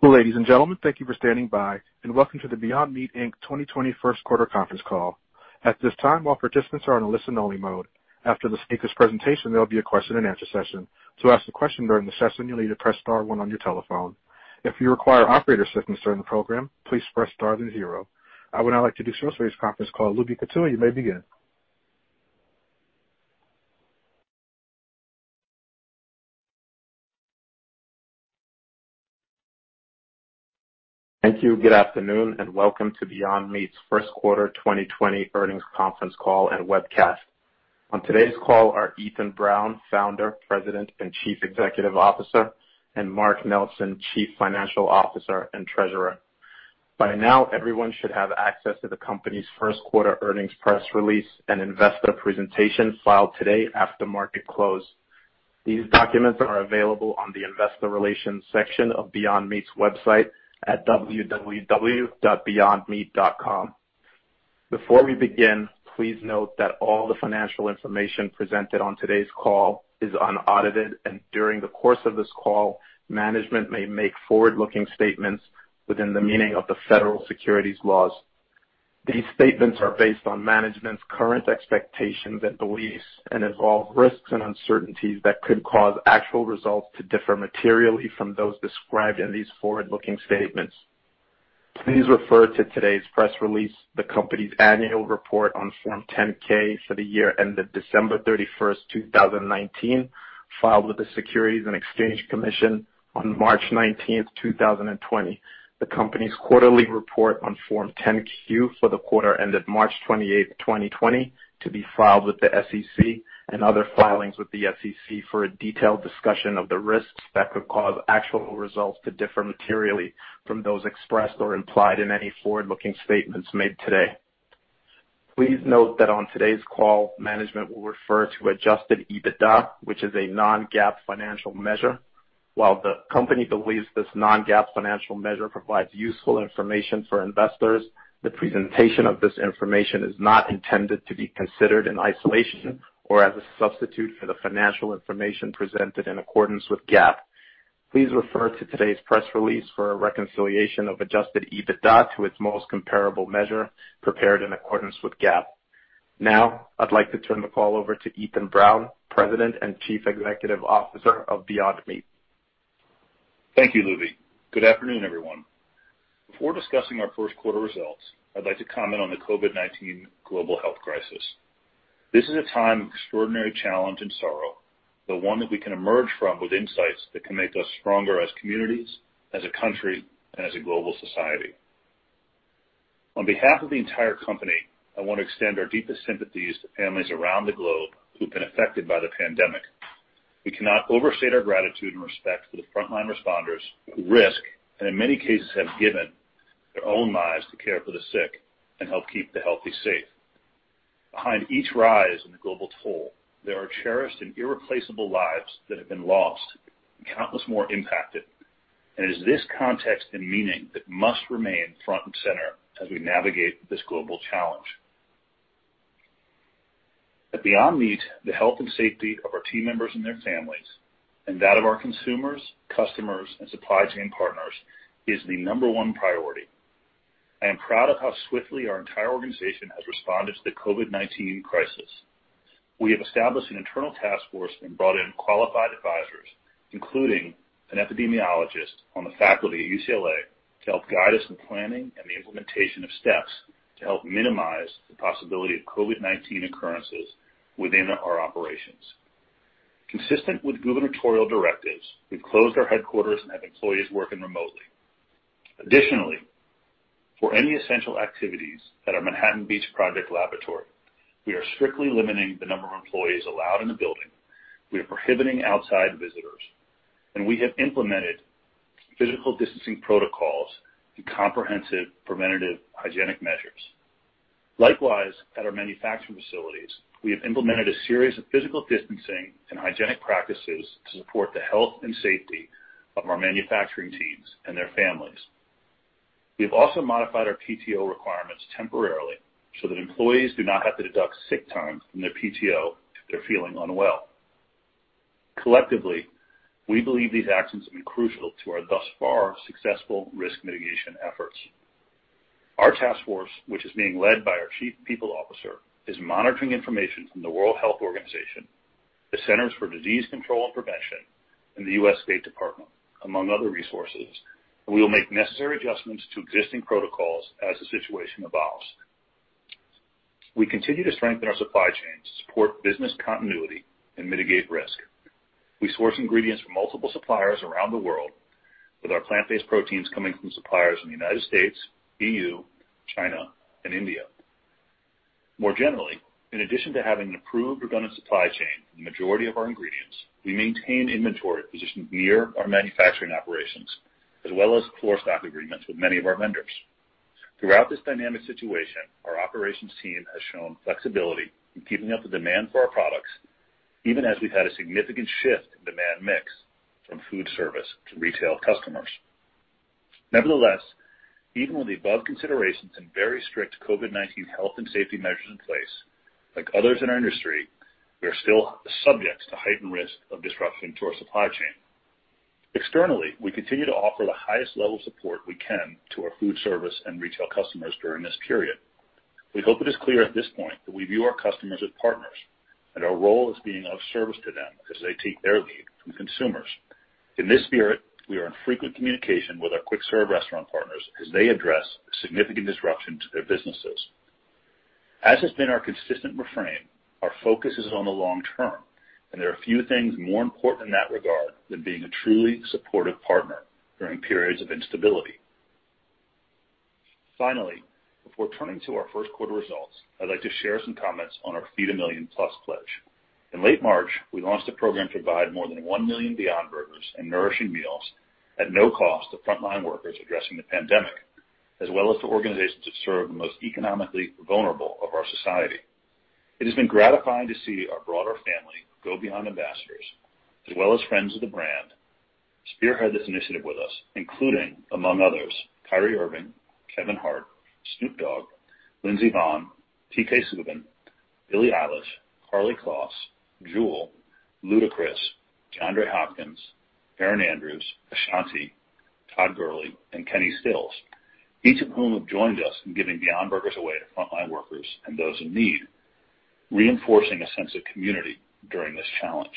Ladies and gentlemen, thank you for standing by, and welcome to the Beyond Meat, Inc. 2020 First Quarter Conference Call. At this time, all participants are in a listen-only mode. After the speaker's presentation, there'll be a question and answer session. To ask a question during the session, you'll need to press star one on your telephone. If you require operator assistance during the program, please press star then zero. I would now like to begin this conference call. Lubi Kutua, you may begin. Thank you. Good afternoon, and welcome to Beyond Meat's first quarter 2020 earnings conference call and webcast. On today's call are Ethan Brown, Founder, President, and Chief Executive Officer, and Mark Nelson, Chief Financial Officer and Treasurer. By now, everyone should have access to the company's first quarter earnings press release and investor presentation filed today after market close. These documents are available on the investor relations section of Beyond Meat's website at www.beyondmeat.com. Before we begin, please note that all the financial information presented on today's call is unaudited, and during the course of this call, management may make forward-looking statements within the meaning of the federal securities laws. These statements are based on management's current expectations and beliefs and involve risks and uncertainties that could cause actual results to differ materially from those described in these forward-looking statements. Please refer to today's press release, the company's annual report on Form 10-K for the year ended December 31st, 2019, filed with the Securities and Exchange Commission on March 19th, 2020, the company's quarterly report on Form 10-Q for the quarter ended March 28th, 2020, to be filed with the SEC, and other filings with the SEC for a detailed discussion of the risks that could cause actual results to differ materially from those expressed or implied in any forward-looking statements made today. Please note that on today's call, management will refer to adjusted EBITDA, which is a non-GAAP financial measure. While the company believes this non-GAAP financial measure provides useful information for investors, the presentation of this information is not intended to be considered in isolation or as a substitute for the financial information presented in accordance with GAAP. Please refer to today's press release for a reconciliation of adjusted EBITDA to its most comparable measure prepared in accordance with GAAP. Now, I'd like to turn the call over to Ethan Brown, President and Chief Executive Officer of Beyond Meat. Thank you, Lubi. Good afternoon, everyone. Before discussing our first quarter results, I'd like to comment on the COVID-19 global health crisis. This is a time of extraordinary challenge and sorrow, but one that we can emerge from with insights that can make us stronger as communities, as a country, and as a global society. On behalf of the entire company, I want to extend our deepest sympathies to families around the globe who've been affected by the pandemic. We cannot overstate our gratitude and respect for the frontline responders who risk, and in many cases, have given their own lives to care for the sick and help keep the healthy safe. Behind each rise in the global toll, there are cherished and irreplaceable lives that have been lost, and countless more impacted, and it is this context and meaning that must remain front and center as we navigate this global challenge. At Beyond Meat, the health and safety of our team members and their families, and that of our consumers, customers, and supply chain partners is the number one priority. I am proud of how swiftly our entire organization has responded to the COVID-19 crisis. We have established an internal task force and brought in qualified advisors, including an epidemiologist on the faculty at UCLA, to help guide us in planning and the implementation of steps to help minimize the possibility of COVID-19 occurrences within our operations. Consistent with gubernatorial directives, we've closed our headquarters and have employees working remotely. Additionally, for any essential activities at our Manhattan Beach product laboratory, we are strictly limiting the number of employees allowed in the building, we are prohibiting outside visitors, and we have implemented physical distancing protocols and comprehensive preventative hygienic measures. Likewise, at our manufacturing facilities, we have implemented a series of physical distancing and hygienic practices to support the health and safety of our manufacturing teams and their families. We have also modified our PTO requirements temporarily so that employees do not have to deduct sick time from their PTO if they're feeling unwell. Collectively, we believe these actions have been crucial to our thus far successful risk mitigation efforts. Our task force, which is being led by our Chief People Officer, is monitoring information from the World Health Organization, the Centers for Disease Control and Prevention, and the U.S. State Department, among other resources. We will make necessary adjustments to existing protocols as the situation evolves. We continue to strengthen our supply chain to support business continuity and mitigate risk. We source ingredients from multiple suppliers around the world, with our plant-based proteins coming from suppliers in the United States, EU, China, and India. More generally, in addition to having an approved redundant supply chain for the majority of our ingredients, we maintain inventory positioned near our manufacturing operations, as well as core stock agreements with many of our vendors. Throughout this dynamic situation, our operations team has shown flexibility in keeping up with demand for our products, even as we've had a significant shift in demand mix from food service to retail customers. Nevertheless, even with the above considerations and very strict COVID-19 health and safety measures in place, like others in our industry, we are still subject to heightened risk of disruption to our supply chain. Externally, we continue to offer the highest level of support we can to our food service and retail customers during this period. We hope it is clear at this point that we view our customers as partners, and our role as being of service to them as they take their lead from consumers. In this spirit, we are in frequent communication with our quick-serve restaurant partners as they address the significant disruption to their businesses. As has been our consistent refrain, our focus is on the long term, and there are few things more important in that regard than being a truly supportive partner during periods of instability. Finally, before turning to our first quarter results, I'd like to share some comments on our Feed a Million+ pledge. In late March, we launched a program to provide more than 1 million Beyond Burgers and nourishing meals at no cost to frontline workers addressing the pandemic, as well as to organizations that serve the most economically vulnerable of our society. It has been gratifying to see our broader family, Go Beyond ambassadors, as well as friends of the brand, spearhead this initiative with us, including, among others, Kyrie Irving, Kevin Hart, Snoop Dogg, Lindsey Vonn, P.K. Subban, Billie Eilish, Karlie Kloss, Jewel, Ludacris, DeAndre Hopkins, Erin Andrews, Ashanti, Todd Gurley, and Kenny Stills, each of whom have joined us in giving Beyond Burgers away to frontline workers and those in need, reinforcing a sense of community during this challenge.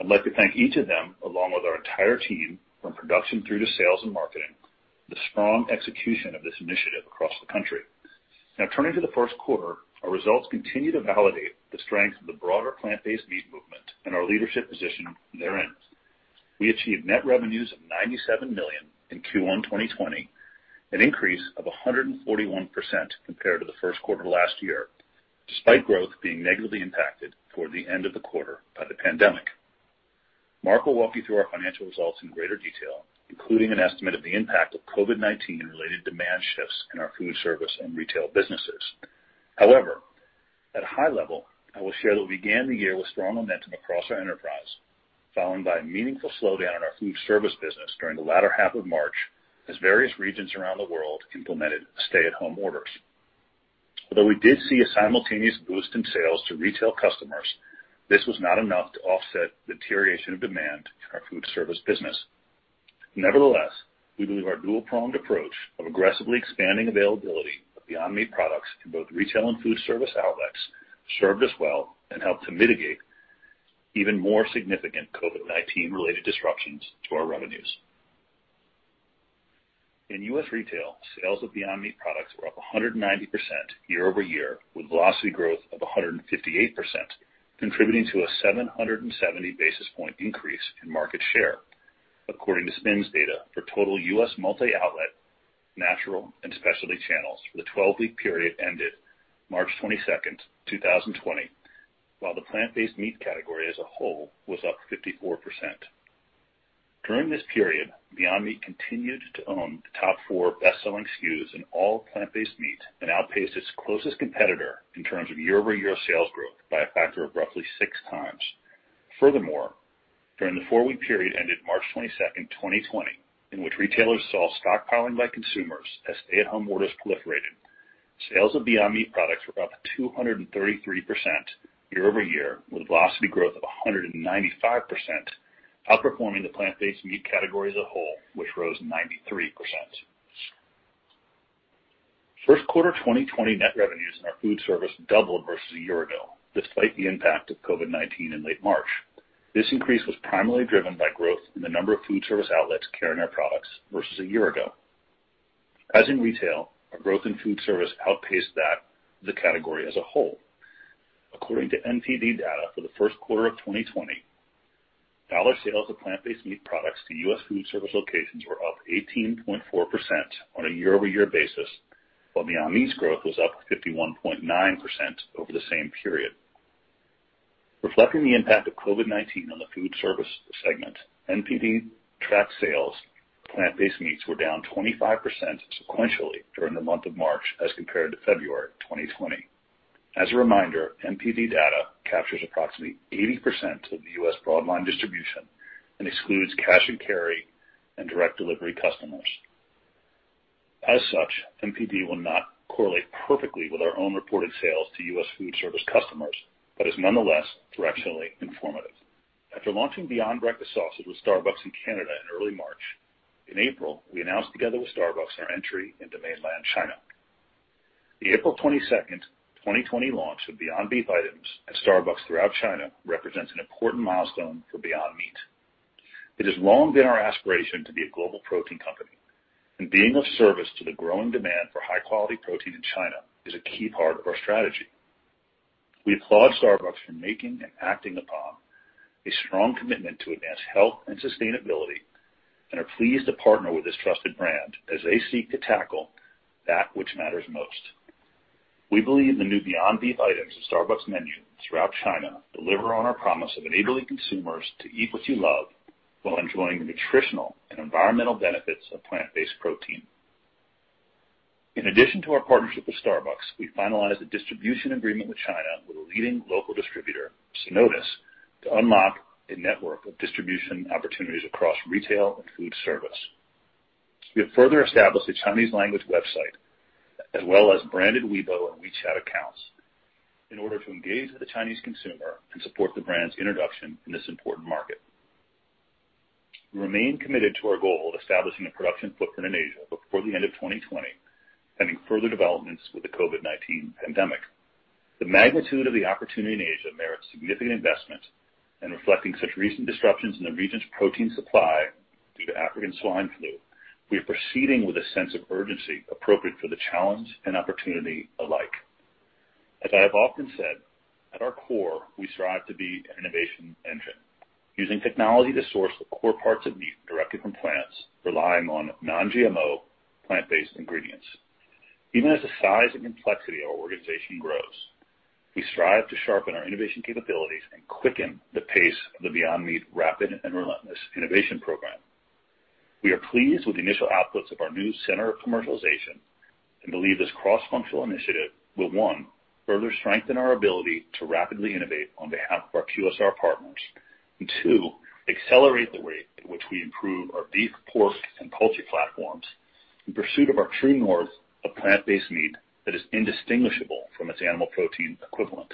I'd like to thank each of them, along with our entire team, from production through to sales and marketing, the strong execution of this initiative across the country. Turning to the first quarter, our results continue to validate the strength of the broader plant-based meat movement and our leadership position therein. We achieved net revenues of $97 million in Q1 2020, an increase of 141% compared to the first quarter last year, despite growth being negatively impacted toward the end of the quarter by the pandemic. Mark will walk you through our financial results in greater detail, including an estimate of the impact of COVID-19 and related demand shifts in our food service and retail businesses. At a high level, I will share that we began the year with strong momentum across our enterprise, followed by a meaningful slowdown in our food service business during the latter half of March as various regions around the world implemented stay-at-home orders. Although we did see a simultaneous boost in sales to retail customers, this was not enough to offset the deterioration of demand in our food service business. Nevertheless, we believe our dual-pronged approach of aggressively expanding availability of Beyond Meat products in both retail and food service outlets served us well and helped to mitigate even more significant COVID-19 related disruptions to our revenues. In U.S. retail, sales of Beyond Meat products were up 190% year-over-year, with velocity growth of 158%, contributing to a 770 basis point increase in market share, according to SPINS data for total U.S. multi-outlet natural and specialty channels for the 12-week period ended March 22nd, 2020, while the plant-based meat category as a whole was up 54%. During this period, Beyond Meat continued to own the top four best-selling SKUs in all plant-based meat and outpaced its closest competitor in terms of year-over-year sales growth by a factor of roughly six times. Furthermore, during the four-week period ended March 22nd, 2020, in which retailers saw stockpiling by consumers as stay-at-home orders proliferated, sales of Beyond Meat products were up 233% year-over-year, with velocity growth of 195%, outperforming the plant-based meat category as a whole, which rose 93%. First quarter 2020 net revenues in our food service doubled versus a year ago, despite the impact of COVID-19 in late March. This increase was primarily driven by growth in the number of food service outlets carrying our products versus a year ago. As in retail, our growth in food service outpaced that of the category as a whole. According to NPD data for the first quarter of 2020, dollar sales of plant-based meat products to U.S. food service locations were up 18.4% on a year-over-year basis, while Beyond Meat's growth was up 51.9% over the same period. Reflecting the impact of COVID-19 on the food service segment, NPD tracked sales of plant-based meats were down 25% sequentially during the month of March as compared to February 2020. As a reminder, NPD data captures approximately 80% of the U.S. broadline distribution and excludes cash and carry and direct delivery customers. As such, NPD will not correlate perfectly with our own reported sales to U.S. food service customers, but is nonetheless directionally informative. After launching Beyond Breakfast Sausage with Starbucks in Canada in early March, in April, we announced together with Starbucks our entry into mainland China. The April 22nd, 2020, launch of Beyond Beef items at Starbucks throughout China represents an important milestone for Beyond Meat. It has long been our aspiration to be a global protein company, and being of service to the growing demand for high-quality protein in China is a key part of our strategy. We applaud Starbucks for making and acting upon a strong commitment to advance health and sustainability and are pleased to partner with this trusted brand as they seek to tackle that which matters most. We believe the new Beyond Beef items on Starbucks menu throughout China deliver on our promise of enabling consumers to eat what you love while enjoying the nutritional and environmental benefits of plant-based protein. In addition to our partnership with Starbucks, we finalized a distribution agreement with China with a leading local distributor, Sinodis, to unlock a network of distribution opportunities across retail and food service. We have further established a Chinese language website, as well as branded Weibo and WeChat accounts in order to engage with the Chinese consumer and support the brand's introduction in this important market. We remain committed to our goal of establishing a production footprint in Asia before the end of 2020, pending further developments with the COVID-19 pandemic. The magnitude of the opportunity in Asia merits significant investment. Reflecting such recent disruptions in the region's protein supply due to African swine fever, we are proceeding with a sense of urgency appropriate for the challenge and opportunity alike. As I have often said, at our core, we strive to be an innovation engine, using technology to source the core parts of meat directly from plants, relying on non-GMO plant-based ingredients. Even as the size and complexity of our organization grows, we strive to sharpen our innovation capabilities and quicken the pace of the Beyond Meat Rapid and Relentless Innovation Program. We are pleased with the initial outputs of our new center of commercialization, and believe this cross-functional initiative will, one, further strengthen our ability to rapidly innovate on behalf of our QSR partners, and two, accelerate the rate at which we improve our beef, pork, and poultry platforms in pursuit of our true north of plant-based meat that is indistinguishable from its animal protein equivalent.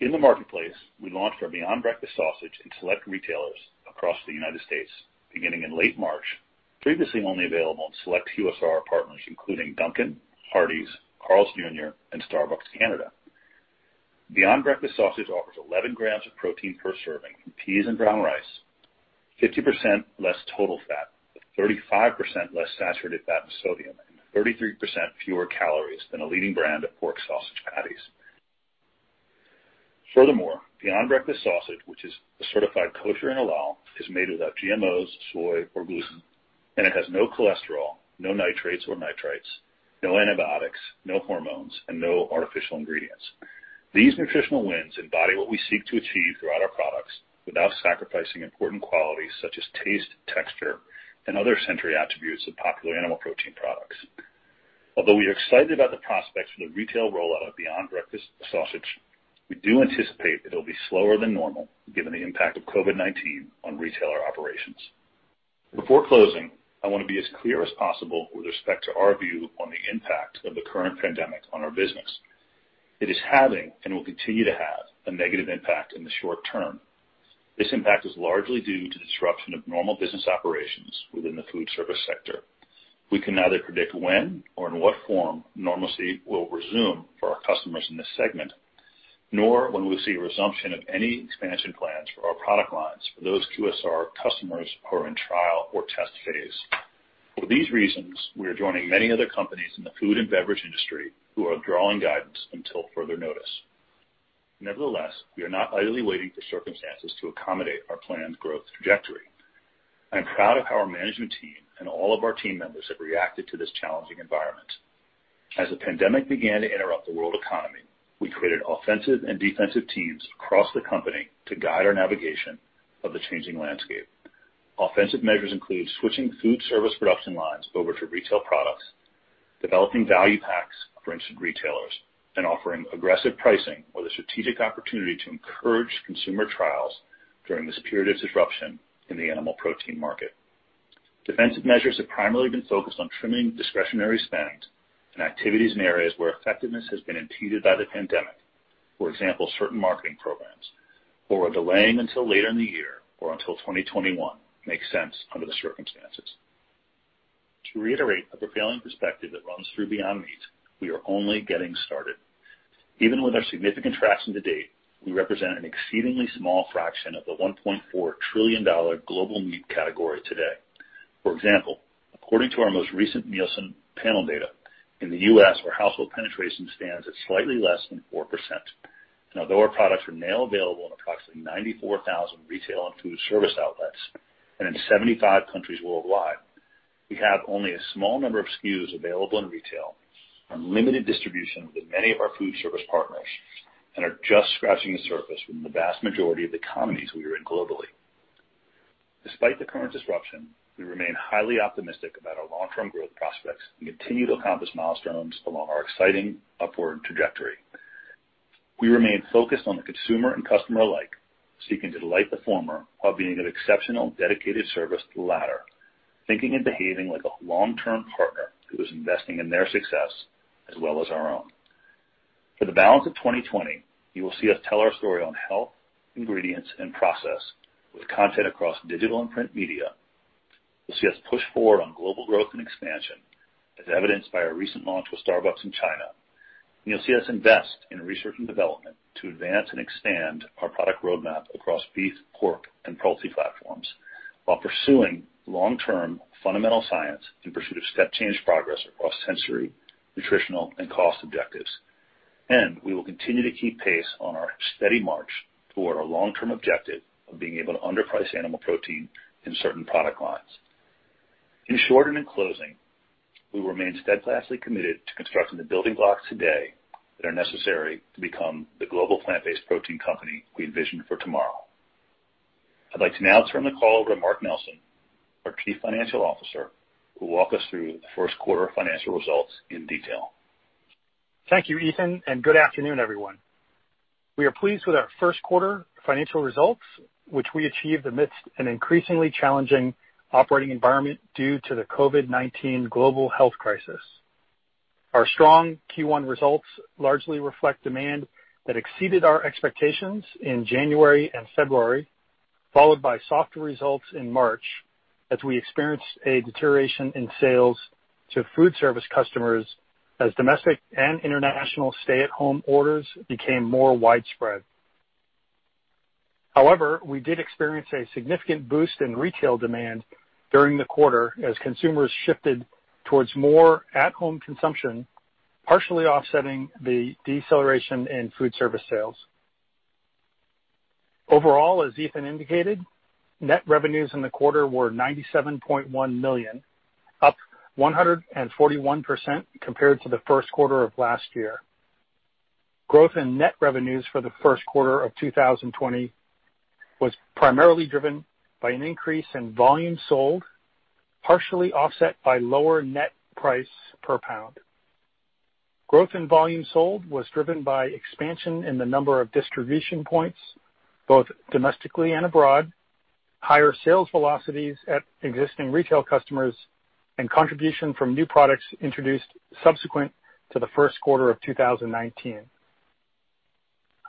In the marketplace, we launched our Beyond Breakfast Sausage in select retailers across the United States beginning in late March, previously only available in select QSR partners, including Dunkin', Hardee's, Carl's Jr., and Starbucks Canada. Beyond Breakfast Sausage offers 11 grams of protein per serving from peas and brown rice, 50% less total fat, with 35% less saturated fat and sodium, and 33% fewer calories than a leading brand of pork sausage patties. Furthermore, Beyond Breakfast Sausage, which is certified kosher and halal, is made without GMOs, soy, or gluten, and it has no cholesterol, no nitrates or nitrites, no antibiotics, no hormones, and no artificial ingredients. These nutritional wins embody what we seek to achieve throughout our products without sacrificing important qualities such as taste, texture, and other sensory attributes of popular animal protein products. Although we are excited about the prospects for the retail rollout of Beyond Breakfast Sausage, we do anticipate that it'll be slower than normal given the impact of COVID-19 on retailer operations. Before closing, I want to be as clear as possible with respect to our view on the impact of the current pandemic on our business. It is having, and will continue to have, a negative impact in the short term. This impact is largely due to the disruption of normal business operations within the food service sector. We can neither predict when or in what form normalcy will resume for our customers in this segment, nor when we'll see a resumption of any expansion plans for our product lines for those QSR customers who are in trial or test phase. For these reasons, we are joining many other companies in the food and beverage industry who are withdrawing guidance until further notice. Nevertheless, we are not idly waiting for circumstances to accommodate our planned growth trajectory. I'm proud of how our management team and all of our team members have reacted to this challenging environment. As the pandemic began to interrupt the world economy, we created offensive and defensive teams across the company to guide our navigation of the changing landscape. Offensive measures include switching food service production lines over to retail products, developing value packs for retailers, and offering aggressive pricing or the strategic opportunity to encourage consumer trials during this period of disruption in the animal protein market. Defensive measures have primarily been focused on trimming discretionary spend and activities in areas where effectiveness has been impeded by the pandemic. For example, certain marketing programs are delaying until later in the year or until 2021 makes sense under the circumstances. To reiterate a prevailing perspective that runs through Beyond Meat, we are only getting started. Even with our significant traction to date, we represent an exceedingly small fraction of the $1.4 trillion global meat category today. For example, according to our most recent Nielsen panel data, in the U.S., our household penetration stands at slightly less than 4%. Although our products are now available in approximately 94,000 retail and food service outlets and in 75 countries worldwide, we have only a small number of SKUs available in retail, are in limited distribution with many of our food service partners, and are just scratching the surface within the vast majority of the economies we are in globally. Despite the current disruption, we remain highly optimistic about our long-term growth prospects and continue to accomplish milestones along our exciting upward trajectory. We remain focused on the consumer and customer alike, seeking to delight the former while being of exceptional dedicated service to the latter, thinking and behaving like a long-term partner who is investing in their success as well as our own. For the balance of 2020, you will see us tell our story on health, ingredients, and process with content across digital and print media. You'll see us push forward on global growth and expansion, as evidenced by our recent launch with Starbucks in China. You'll see us invest in research and development to advance and expand our product roadmap across beef, pork, and poultry platforms while pursuing long-term fundamental science in pursuit of step change progress across sensory, nutritional, and cost objectives. We will continue to keep pace on our steady march toward our long-term objective of being able to underprice animal protein in certain product lines. In short and in closing, we remain steadfastly committed to constructing the building blocks today that are necessary to become the global plant-based protein company we envision for tomorrow. I'd like to now turn the call over to Mark Nelson, our Chief Financial Officer, who will walk us through the first quarter financial results in detail. Thank you, Ethan, and good afternoon, everyone. We are pleased with our first quarter financial results, which we achieved amidst an increasingly challenging operating environment due to the COVID-19 global health crisis. Our strong Q1 results largely reflect demand that exceeded our expectations in January and February, followed by softer results in March as we experienced a deterioration in sales to food service customers as domestic and international stay-at-home orders became more widespread. However, we did experience a significant boost in retail demand during the quarter as consumers shifted towards more at-home consumption, partially offsetting the deceleration in food service sales. Overall, as Ethan indicated, net revenues in the quarter were $97.1 million, up 141% compared to the first quarter of last year. Growth in net revenues for the first quarter of 2020 was primarily driven by an increase in volume sold, partially offset by lower net price per pound. Growth in volume sold was driven by expansion in the number of distribution points, both domestically and abroad, higher sales velocities at existing retail customers, and contribution from new products introduced subsequent to the first quarter of 2019.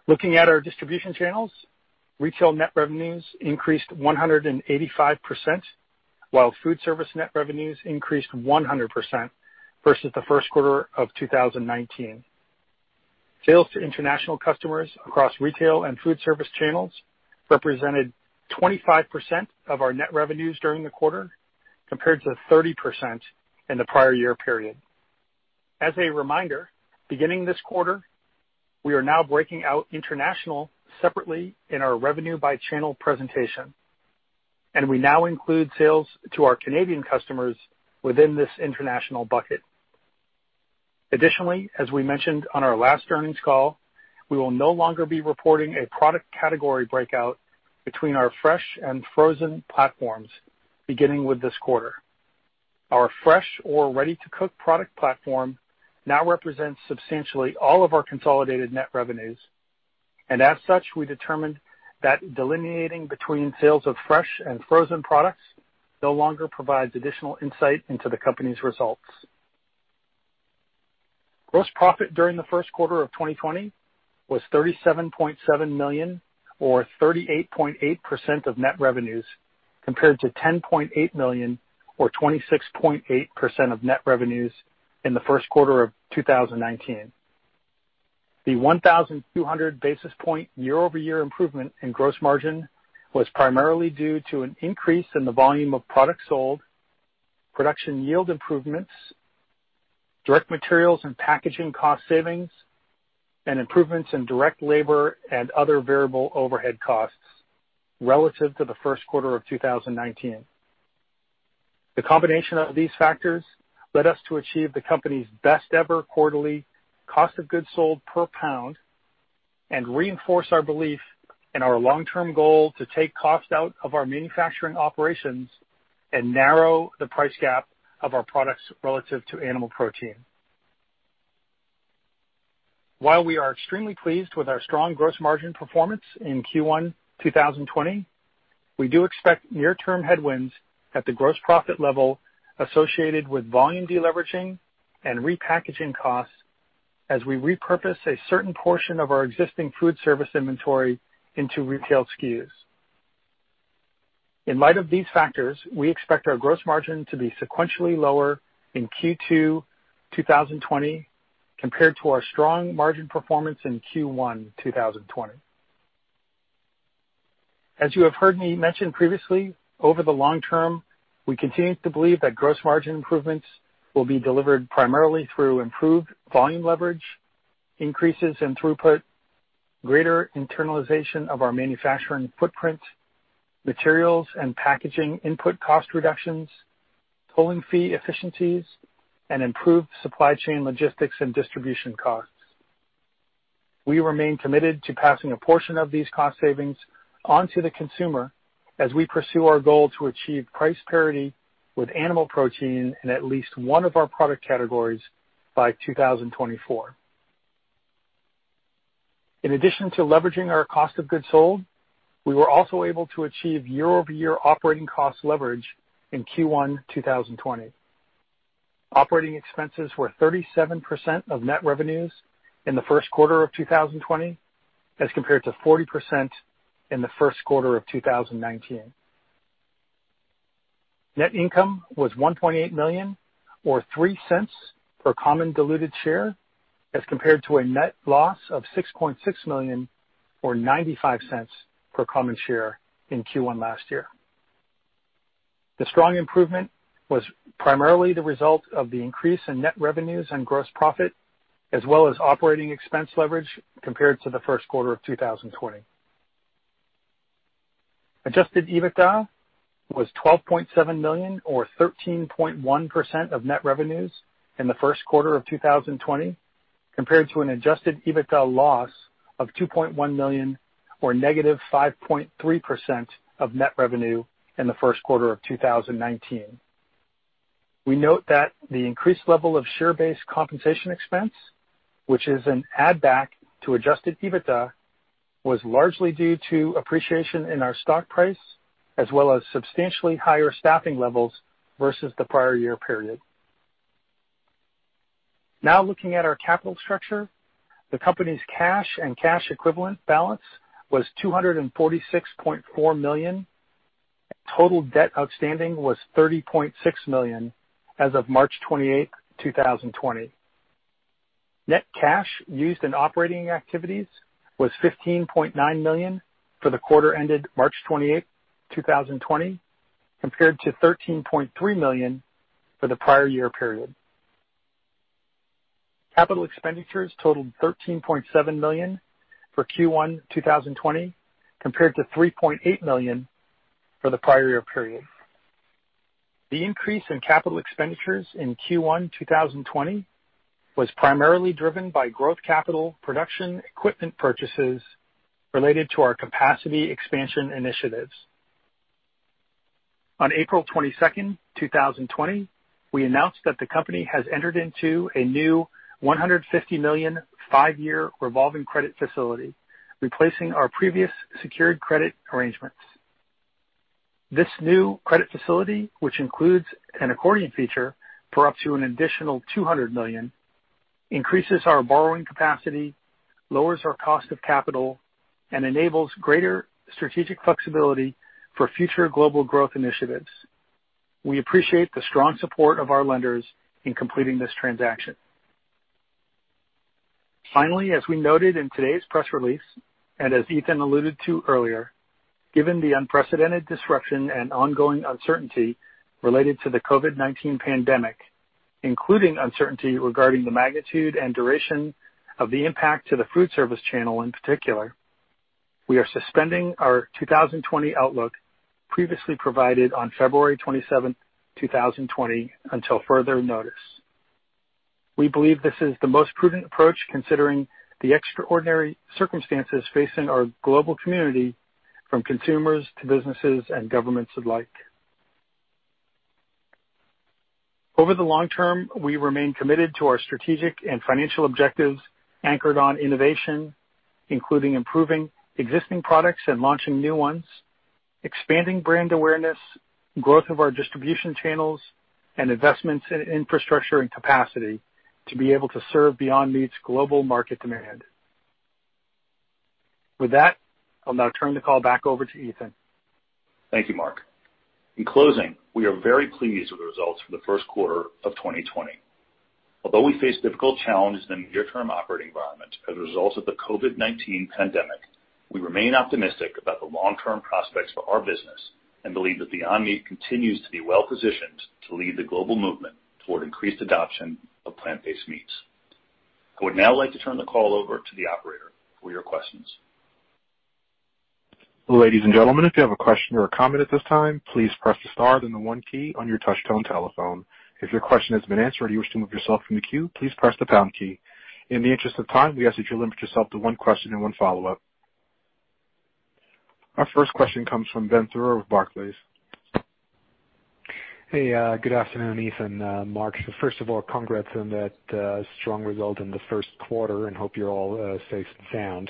Looking at our distribution channels, retail net revenues increased 185%, while food service net revenues increased 100% versus the first quarter of 2019. Sales to international customers across retail and food service channels represented 25% of our net revenues during the quarter, compared to 30% in the prior year period. As a reminder, beginning this quarter, we are now breaking out international separately in our revenue by channel presentation, we now include sales to our Canadian customers within this international bucket. Additionally, as we mentioned on our last earnings call, we will no longer be reporting a product category breakout between our fresh and frozen platforms beginning with this quarter. Our fresh or ready-to-cook product platform now represents substantially all of our consolidated net revenues, as such, we determined that delineating between sales of fresh and frozen products no longer provides additional insight into the company's results. Gross profit during the first quarter of 2020 was $37.7 million or 38.8% of net revenues, compared to $10.8 million or 26.8% of net revenues in the first quarter of 2019. The 1,200 basis point year-over-year improvement in gross margin was primarily due to an increase in the volume of product sold, production yield improvements, direct materials and packaging cost savings, and improvements in direct labor and other variable overhead costs relative to the first quarter of 2019. The combination of these factors led us to achieve the company's best ever quarterly cost of goods sold per pound and reinforce our belief in our long-term goal to take cost out of our manufacturing operations and narrow the price gap of our products relative to animal protein. While we are extremely pleased with our strong gross margin performance in Q1 2020, we do expect near-term headwinds at the gross profit level associated with volume deleveraging and repackaging costs as we repurpose a certain portion of our existing food service inventory into retail SKUs. In light of these factors, we expect our gross margin to be sequentially lower in Q2 2020 compared to our strong margin performance in Q1 2020. As you have heard me mention previously, over the long term, we continue to believe that gross margin improvements will be delivered primarily through improved volume leverage, increases in throughput, greater internalization of our manufacturing footprint, materials and packaging input cost reductions, pooling fee efficiencies, and improved supply chain logistics and distribution costs. We remain committed to passing a portion of these cost savings onto the consumer as we pursue our goal to achieve price parity with animal protein in at least one of our product categories by 2024. In addition to leveraging our COGS, we were also able to achieve year-over-year operating cost leverage in Q1 2020. Operating expenses were 37% of net revenues in the first quarter of 2020 as compared to 40% in the first quarter of 2019. Net income was $1.8 million or $0.03 per common diluted share as compared to a net loss of $6.6 million or $0.95 per common share in Q1 last year. The strong improvement was primarily the result of the increase in net revenues and gross profit as well as operating expense leverage compared to the first quarter of 2020. Adjusted EBITDA was $12.7 million, or 13.1% of net revenues in the first quarter of 2020, compared to an adjusted EBITDA loss of $2.1 million, or negative 5.3% of net revenue in the first quarter of 2019. We note that the increased level of share-based compensation expense, which is an add back to adjusted EBITDA, was largely due to appreciation in our stock price, as well as substantially higher staffing levels versus the prior year period. Now looking at our capital structure, the company's cash and cash equivalent balance was $246.4 million. Total debt outstanding was $30.6 million as of March 28th, 2020. Net cash used in operating activities was $15.9 million for the quarter ended March 28th, 2020, compared to $13.3 million for the prior year period. Capital expenditures totaled $13.7 million for Q1 2020, compared to $3.8 million for the prior year period. The increase in capital expenditures in Q1 2020 was primarily driven by growth capital production equipment purchases related to our capacity expansion initiatives. On April 22nd, 2020, we announced that the company has entered into a new $150 million five-year revolving credit facility, replacing our previous secured credit arrangements. This new credit facility, which includes an accordion feature for up to an additional $200 million, increases our borrowing capacity, lowers our cost of capital, and enables greater strategic flexibility for future global growth initiatives. We appreciate the strong support of our lenders in completing this transaction. Finally, as we noted in today's press release, and as Ethan alluded to earlier, given the unprecedented disruption and ongoing uncertainty related to the COVID-19 pandemic, including uncertainty regarding the magnitude and duration of the impact to the food service channel in particular, we are suspending our 2020 outlook previously provided on February 27th, 2020, until further notice. We believe this is the most prudent approach, considering the extraordinary circumstances facing our global community, from consumers to businesses and governments alike. Over the long term, we remain committed to our strategic and financial objectives anchored on innovation, including improving existing products and launching new ones, expanding brand awareness, growth of our distribution channels, and investments in infrastructure and capacity to be able to serve Beyond Meat's global market demand. With that, I'll now turn the call back over to Ethan. Thank you, Mark. In closing, we are very pleased with the results for the first quarter of 2020. Although we face difficult challenges in the near term operating environment as a result of the COVID-19 pandemic, we remain optimistic about the long-term prospects for our business and believe that Beyond Meat continues to be well-positioned to lead the global movement toward increased adoption of plant-based meats. I would now like to turn the call over to the operator for your questions. Ladies and gentlemen, if you have a question or a comment at this time, please press the star then the one key on your touchtone telephone. If your question has been answered or you wish to remove yourself from the queue, please press the pound key. In the interest of time, we ask that you limit yourself to one question and one follow-up. Our first question comes from Benjamin Theurer with Barclays. Hey, good afternoon, Ethan, Mark. First of all, congrats on that strong result in the first quarter. Hope you're all safe and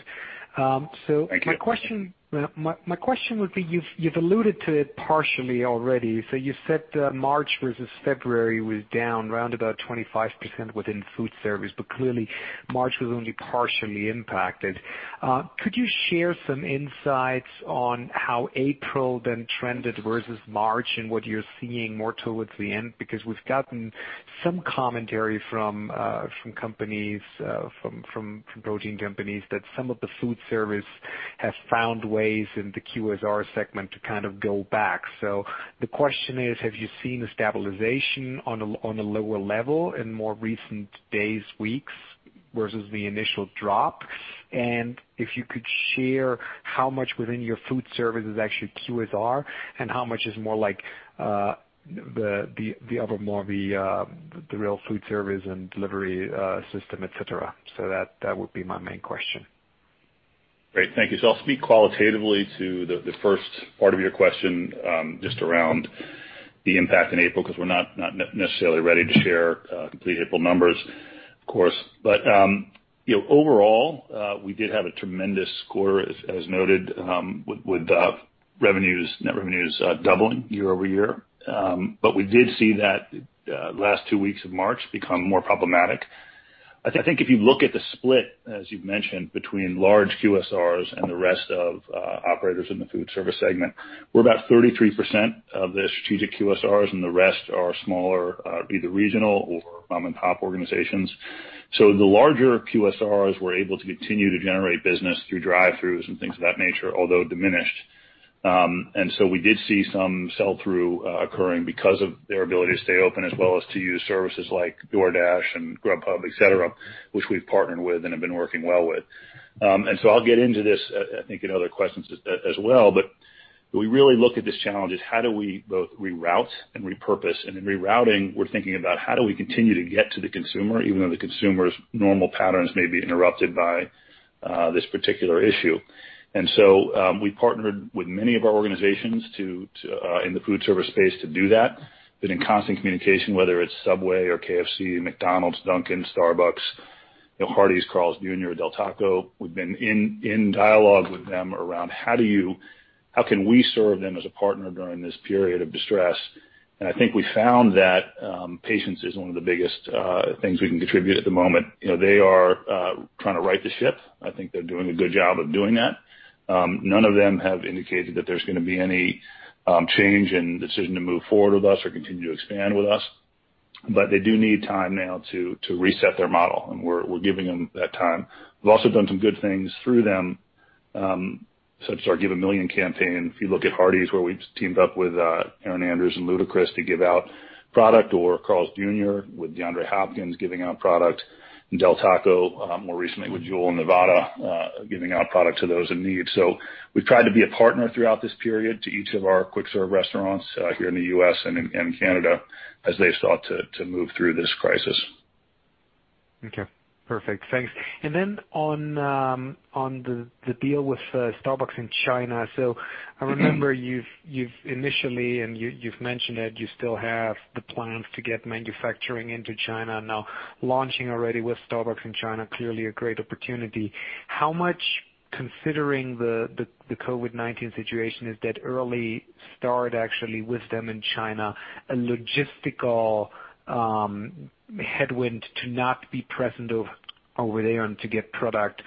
sound. Thank you. My question would be, you've alluded to it partially already. You said March versus February was down roundabout 25% within food service, but clearly March was only partially impacted. Could you share some insights on how April then trended versus March, and what you're seeing more towards the end? We've gotten some commentary from protein companies that some of the food service have found ways in the QSR segment to kind of go back. The question is, have you seen a stabilization on a lower level in more recent days, weeks, versus the initial drop? And if you could share how much within your food service is actually QSR and how much is more like the other, more of the real food service and delivery system, et cetera. That would be my main question. Great. Thank you. I'll speak qualitatively to the first part of your question, just around the impact in April, because we're not necessarily ready to share complete April numbers, of course. Overall, we did have a tremendous quarter, as noted, with net revenues doubling year-over-year. We did see that last two weeks of March become more problematic. I think if you look at the split, as you've mentioned, between large QSRs and the rest of operators in the food service segment, we're about 33% of the strategic QSRs, and the rest are smaller, either regional or mom and pop organizations. The larger QSRs were able to continue to generate business through drive-throughs and things of that nature, although diminished. We did see some sell-through occurring because of their ability to stay open as well as to use services like DoorDash and Grubhub, et cetera, which we've partnered with and have been working well with. I'll get into this, I think, in other questions as well, but we really look at this challenge as how do we both reroute and repurpose? In rerouting, we're thinking about how do we continue to get to the consumer, even though the consumer's normal patterns may be interrupted by this particular issue. We partnered with many of our organizations in the food service space to do that. We've been in constant communication, whether it's Subway or KFC, McDonald's, Dunkin', Starbucks, Hardee's, Carl's Jr., Del Taco. We've been in dialogue with them around how can we serve them as a partner during this period of distress. I think we found that patience is one of the biggest things we can contribute at the moment. They are trying to right the ship. I think they're doing a good job of doing that. None of them have indicated that there's going to be any change in decision to move forward with us or continue to expand with us. They do need time now to reset their model, and we're giving them that time. We've also done some good things through them. Such as our Feed a Million+ campaign. If you look at Hardee's, where we've teamed up with Erin Andrews and Ludacris to give out product, or Carl's Jr. with DeAndre Hopkins giving out product, and Del Taco more recently with Jewel in Nevada, giving out product to those in need.. We've tried to be a partner throughout this period to each of our quick serve restaurants here in the U.S. and Canada as they sought to move through this crisis. Okay. Perfect. Thanks. On the deal with Starbucks in China, I remember you've initially, and you've mentioned it, you still have the plans to get manufacturing into China now launching already with Starbucks in China, clearly a great opportunity. How much, considering the COVID-19 situation, is that early start actually with them in China, a logistical headwind to not be present over there and to get product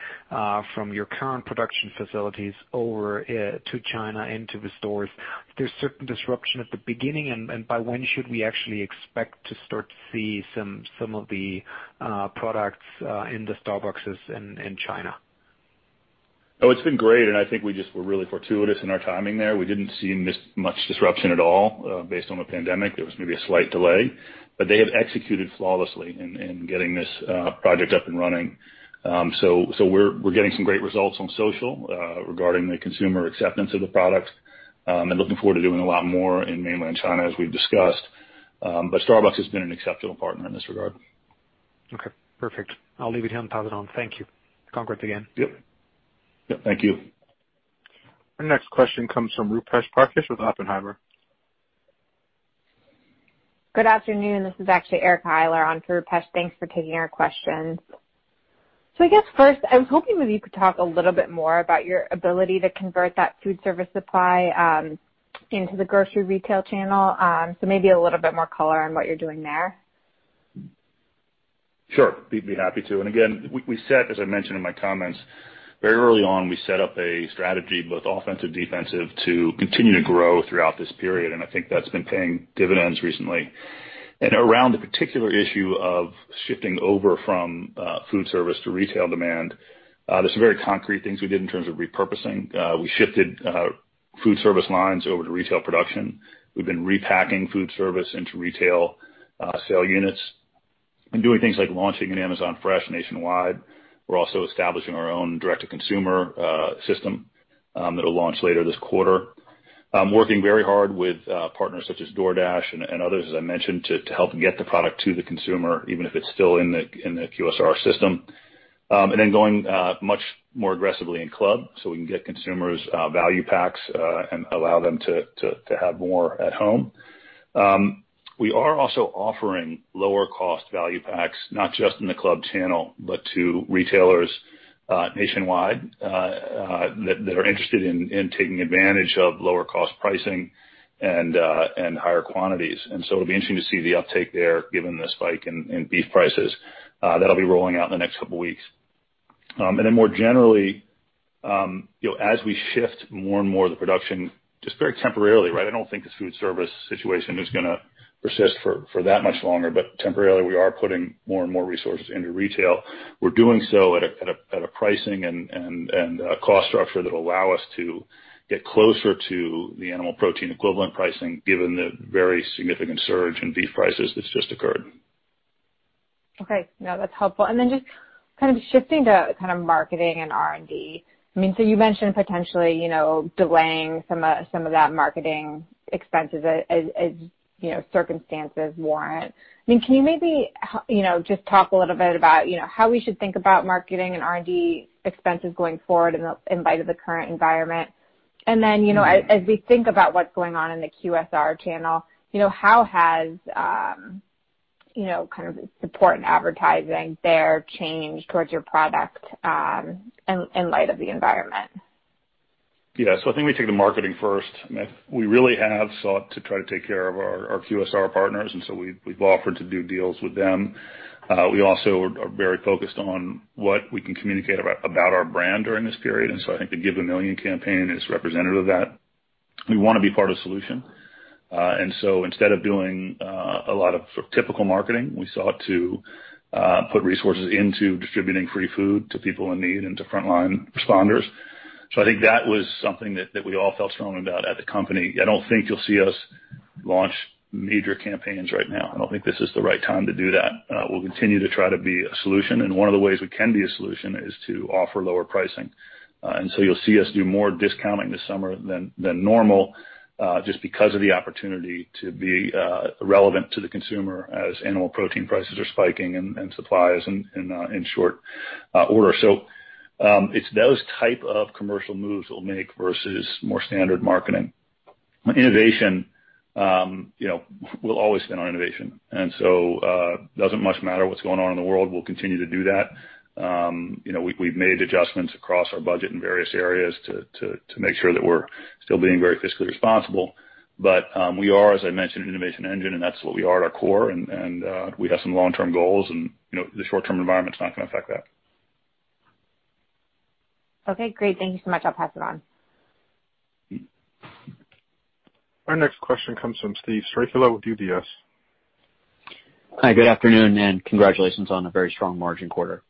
from your current production facilities over to China into the stores? There's certain disruption at the beginning, by when should we actually expect to start to see some of the products in the Starbucks in China? It's been great. I think we just were really fortuitous in our timing there. We didn't see much disruption at all based on the pandemic. There was maybe a slight delay, they have executed flawlessly in getting this project up and running. We're getting some great results on social regarding the consumer acceptance of the product, and looking forward to doing a lot more in mainland China, as we've discussed. Starbucks has been an exceptional partner in this regard. Okay, perfect. I'll leave it here and pass it on. Thank you. Congrats again. Yep. Thank you. Our next question comes from Rupesh Parikh with Oppenheimer. Good afternoon. This is actually Erica Eiler on for Rupesh. Thanks for taking our questions. I guess first, I was hoping maybe you could talk a little bit more about your ability to convert that food service supply into the grocery retail channel. Maybe a little bit more color on what you're doing there. Sure, I'd be happy to. Again, we set, as I mentioned in my comments, very early on, we set up a strategy, both offensive, defensive, to continue to grow throughout this period. I think that's been paying dividends recently. Around the particular issue of shifting over from food service to retail demand, there's some very concrete things we did in terms of repurposing. We shifted food service lines over to retail production. We've been repacking food service into retail sale units and doing things like launching an Amazon Fresh nationwide. We're also establishing our own direct-to-consumer system that'll launch later this quarter. Working very hard with partners such as DoorDash and others, as I mentioned, to help get the product to the consumer, even if it's still in the QSR system. Going much more aggressively in club so we can get consumers value packs, and allow them to have more at home. We are also offering lower cost value packs, not just in the club channel, but to retailers nationwide that are interested in taking advantage of lower cost pricing and higher quantities. It'll be interesting to see the uptake there, given the spike in beef prices. That'll be rolling out in the next couple weeks. More generally, as we shift more and more of the production just very temporarily, right? I don't think this food service situation is going to persist for that much longer, but temporarily, we are putting more and more resources into retail. We're doing so at a pricing and a cost structure that allow us to get closer to the animal protein equivalent pricing, given the very significant surge in beef prices that's just occurred. Okay. No, that's helpful. Just shifting to marketing and R&D. You mentioned potentially delaying some of that marketing expenses as circumstances warrant. Can you maybe just talk a little bit about how we should think about marketing and R&D expenses going forward in light of the current environment? As we think about what's going on in the QSR channel, how has support and advertising there changed towards your product in light of the environment? Yeah. I think we take the marketing first. We really have sought to try to take care of our QSR partners, and so we've offered to do deals with them. We also are very focused on what we can communicate about our brand during this period, and so I think the Feed a Million+ campaign is representative of that. We want to be part of solution. Instead of doing a lot of typical marketing, we sought to put resources into distributing free food to people in need and to frontline responders. I think that was something that we all felt strong about at the company. I don't think you'll see us launch major campaigns right now. I don't think this is the right time to do that. We'll continue to try to be a solution, and one of the ways we can be a solution is to offer lower pricing. You'll see us do more discounting this summer than normal, just because of the opportunity to be relevant to the consumer as animal protein prices are spiking and supply is in short order. It's those type of commercial moves we'll make versus more standard marketing. Innovation, we'll always spend on innovation. Doesn't much matter what's going on in the world, we'll continue to do that. We've made adjustments across our budget in various areas to make sure that we're still being very fiscally responsible. We are, as I mentioned, an innovation engine, and that's what we are at our core. We have some long-term goals, and the short-term environment is not going to affect that. Okay, great. Thank you so much. I'll pass it on. Our next question comes from Steven Strycula with UBS. Hi, good afternoon, and congratulations on a very strong margin quarter.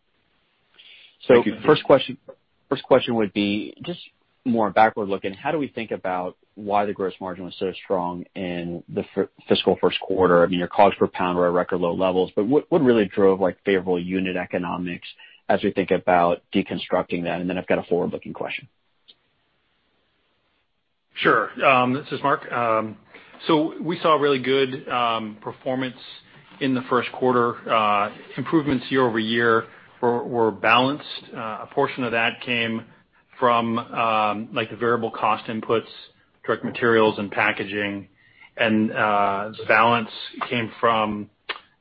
Thank you. First question would be just more backward-looking. How do we think about why the gross margin was so strong in the fiscal first quarter? I mean, your cost per pound were at record low levels, but what really drove favorable unit economics as we think about deconstructing that? I've got a forward-looking question. Sure. This is Mark. We saw really good performance in the first quarter. Improvements year-over-year were balanced. A portion of that came from the variable cost inputs, direct materials, and packaging. The balance came from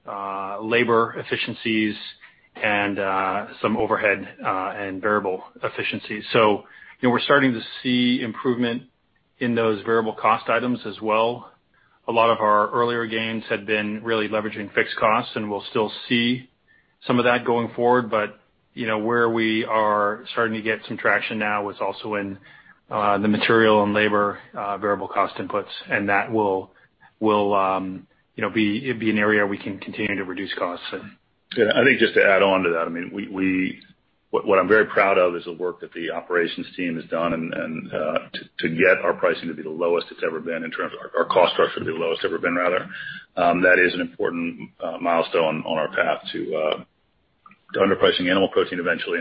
labor efficiencies and some overhead and variable efficiencies. We're starting to see improvement in those variable cost items as well. A lot of our earlier gains had been really leveraging fixed costs, and we'll still see some of that going forward. Where we are starting to get some traction now is also in the material and labor variable cost inputs. That will be an area we can continue to reduce costs in. I think just to add on to that, what I'm very proud of is the work that the operations team has done to get our cost structure to be the lowest it's ever been, rather. That is an important milestone on our path to underpricing animal protein eventually.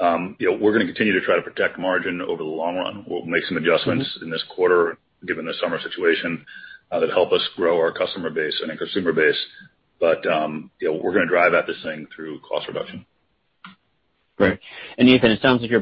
We're going to continue to try to protect margin over the long run. We'll make some adjustments in this quarter given the summer situation that help us grow our customer base and our consumer base, but we're going to drive at this thing through cost reduction. Great. Ethan, it sounds like you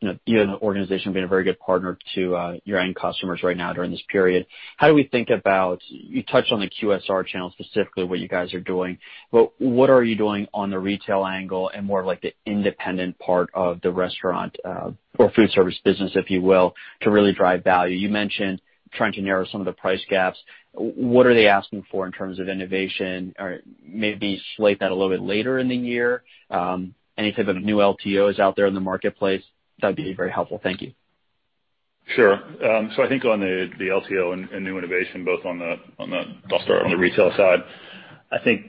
and the organization have been a very good partner to your end customers right now during this period. How do we think about you touched on the QSR channel, specifically what you guys are doing, but what are you doing on the retail angle and more like the independent part of the restaurant or food service business, if you will, to really drive value? You mentioned trying to narrow some of the price gaps. What are they asking for in terms of innovation? Or maybe slate that a little bit later in the year? Any type of new LTOs out there in the marketplace? That'd be very helpful. Thank you. Sure. I think on the LTO and new innovation, I'll start on the retail side. I think,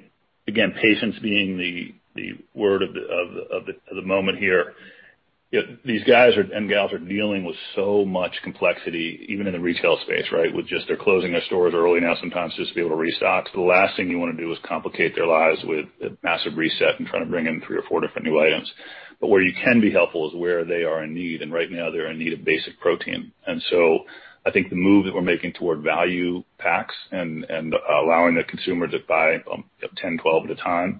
again, patience being the word of the moment here. These guys and gals are dealing with so much complexity, even in the retail space, right? With they're closing their stores early now sometimes just to be able to restock. The last thing you want to do is complicate their lives with a massive reset and trying to bring in three or four different new items. Where you can be helpful is where they are in need. Right now, they're in need of basic protein. I think the move that we're making toward value packs and allowing the consumer to buy 10, 12 at a time,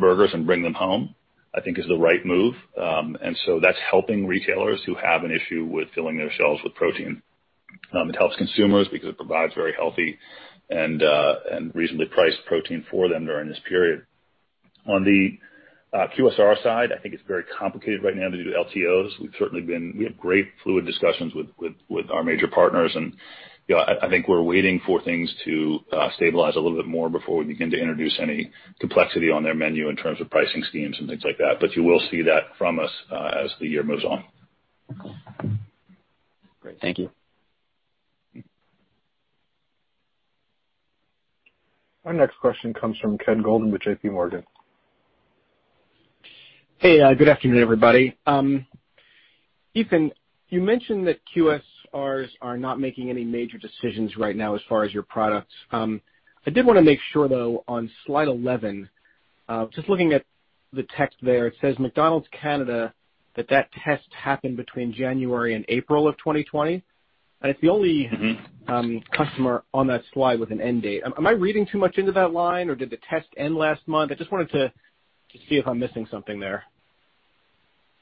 burgers and bring them home, I think is the right move. That's helping retailers who have an issue with filling their shelves with protein. It helps consumers because it provides very healthy and reasonably priced protein for them during this period. On the QSR side, I think it's very complicated right now to do LTOs. We have great fluid discussions with our major partners, and I think we're waiting for things to stabilize a little bit more before we begin to introduce any complexity on their menu in terms of pricing schemes and things like that. You will see that from us as the year moves on. Great. Thank you. Our next question comes from Ken Goldman with JPMorgan. Hey, good afternoon, everybody. Ethan, you mentioned that QSRs are not making any major decisions right now as far as your products. I did want to make sure, though, on slide 11, just looking at the text there, it says McDonald's Canada, that that test happened between January and April of 2020. It's the only. customer on that slide with an end date. Am I reading too much into that line, or did the test end last month? I just wanted to see if I'm missing something there.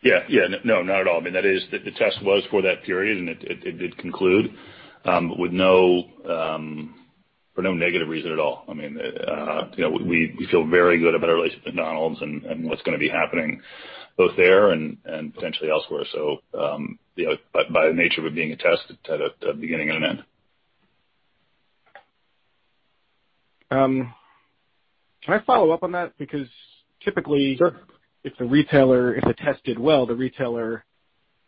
Yeah. No, not at all. The test was for that period, and it did conclude for no negative reason at all. We feel very good about our relationship with McDonald's and what's going to be happening both there and potentially elsewhere. By the nature of it being a test, it had a beginning and an end. Can I follow up on that? Sure. If the test did well, the retailer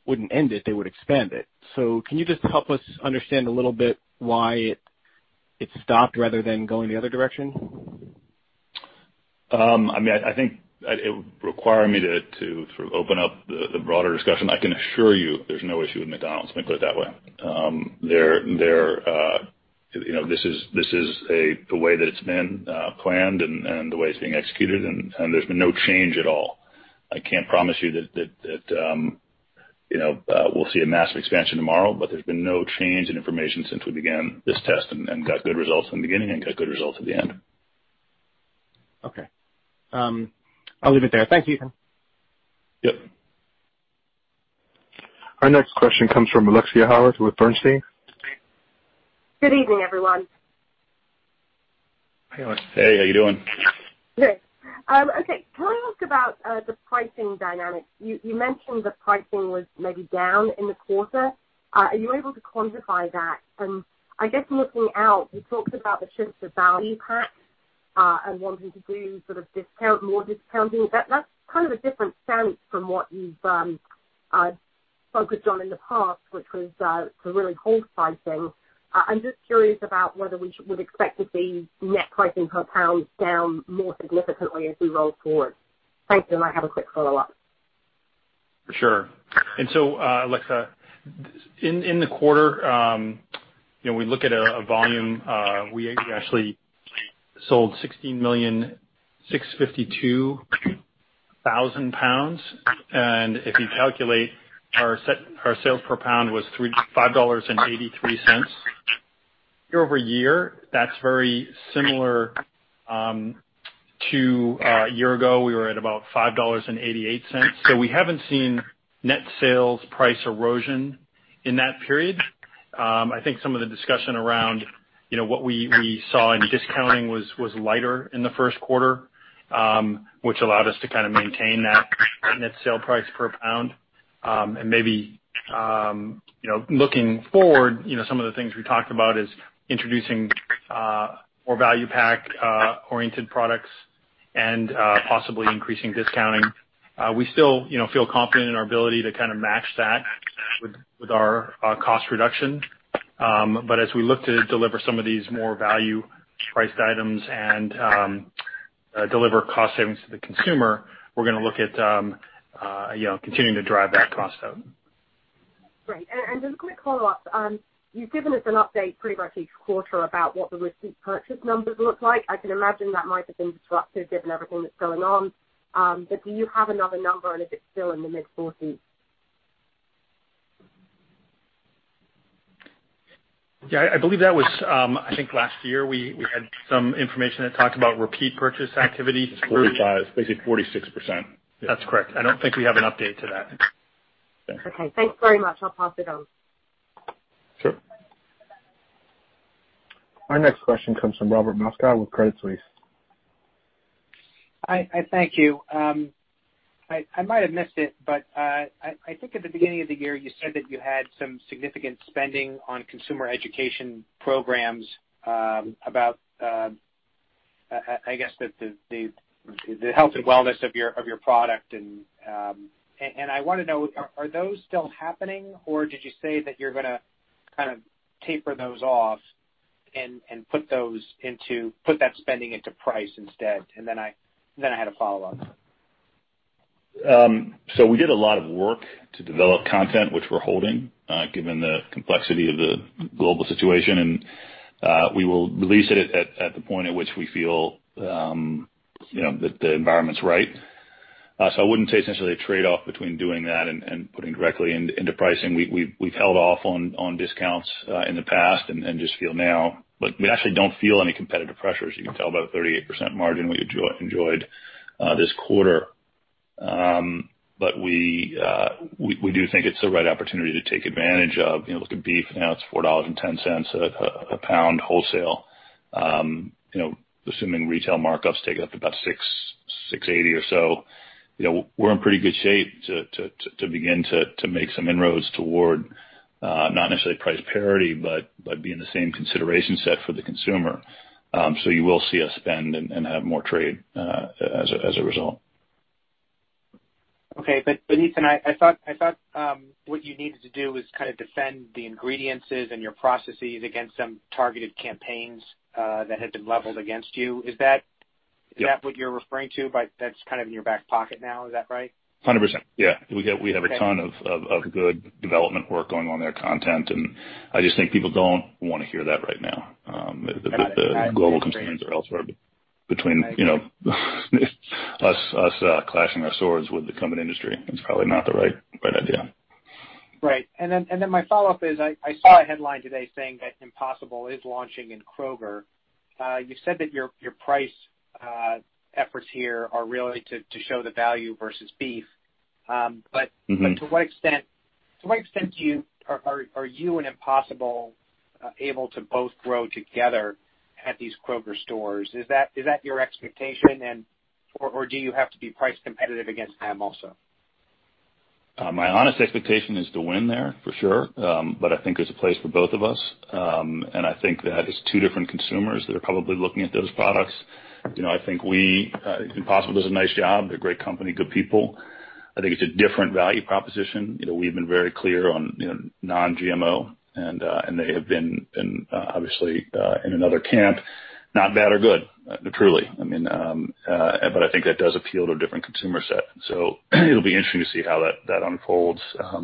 wouldn't end it. They would expand it. Can you just help us understand a little bit why it stopped rather than going the other direction? I think it would require me to open up the broader discussion. I can assure you there's no issue with McDonald's, let me put it that way. This is the way that it's been planned and the way it's being executed, and there's been no change at all. I can't promise you that we'll see a massive expansion tomorrow, but there's been no change in information since we began this test and got good results from the beginning and got good results at the end. Okay. I'll leave it there. Thank you. Yep. Our next question comes from Alexia Howard with Bernstein. Good evening, everyone. Hey, Alexia. Hey, how you doing? Good. Okay. Can we talk about the pricing dynamics? You mentioned the pricing was maybe down in the quarter. Are you able to quantify that? I guess looking out, you talked about the shift to value packs, and wanting to do more discounting. That's kind of a different sense from what you've focused on in the past, which was to really hold pricing. I'm just curious about whether we would expect to see net pricing per pound down more significantly as we roll forward. Thanks, and I have a quick follow-up. For sure. Alexia, in the quarter, we look at a volume. We actually sold 16,652,000 pounds. If you calculate our sales per pound was $5.83. Year-over-year, that's very similar to a year ago. We were at about $5.88. We haven't seen net sales price erosion in that period. I think some of the discussion around what we saw in discounting was lighter in the first quarter, which allowed us to kind of maintain that net sale price per pound. Maybe looking forward, some of the things we talked about is introducing more value pack-oriented products and possibly increasing discounting. We still feel confident in our ability to match that with our cost reduction. As we look to deliver some of these more value-priced items and deliver cost savings to the consumer, we're going to look at continuing to drive that cost out. Great. Just a quick follow-up. You've given us an update pretty much each quarter about what the repeat purchase numbers look like. I can imagine that might have been disruptive given everything that's going on. Do you have another number, if it's still in the mid-40s? Yeah, I think last year we had some information that talked about repeat purchase activity. It's 45, basically 46%. That's correct. I don't think we have an update to that. Okay. Thanks very much. I'll pass it on. Sure. Our next question comes from Robert Moskow with Credit Suisse. Thank you. I might've missed it, but I think at the beginning of the year, you said that you had some significant spending on consumer education programs about, I guess the health and wellness of your product. I want to know, are those still happening? Did you say that you're going to kind of taper those off and put that spending into price instead? I had a follow-up. We did a lot of work to develop content which we're holding, given the complexity of the global situation. We will release it at the point at which we feel that the environment's right. I wouldn't say it's necessarily a trade-off between doing that and putting directly into pricing. We've held off on discounts in the past, but we actually don't feel any competitive pressures. You can tell by the 38% margin we enjoyed this quarter. We do think it's the right opportunity to take advantage of, look at beef, now it's $4.10 a pound wholesale. Assuming retail markups take it up to about $6.00, $6.80 or so. We're in pretty good shape to begin to make some inroads toward, not necessarily price parity, but be in the same consideration set for the consumer. You will see us spend and have more trade as a result. Okay. Ethan, I thought what you needed to do was kind of defend the ingredients and your processes against some targeted campaigns that had been leveled against you. Is that? Yep. what you're referring to by that's kind of in your back pocket now, is that right? 100%. Yeah. We have a ton of good development work going on there, content, I just think people don't want to hear that right now. I understand. The global concerns are elsewhere between us clashing our swords with the conventional industry. It's probably not the right idea. Right. My follow-up is I saw a headline today saying that Impossible is launching in Kroger. You said that your price efforts here are really to show the value versus beef. To what extent are you and Impossible able to both grow together at these Kroger stores? Is that your expectation? Or do you have to be price competitive against them also? My honest expectation is to win there, for sure. I think there's a place for both of us. I think that it's two different consumers that are probably looking at those products. I think Impossible does a nice job. They're a great company, good people. I think it's a different value proposition. We've been very clear on non-GMO, and they have been, obviously, in another camp. Not bad or good, truly. I think that does appeal to a different consumer set. It'll be interesting to see how that unfolds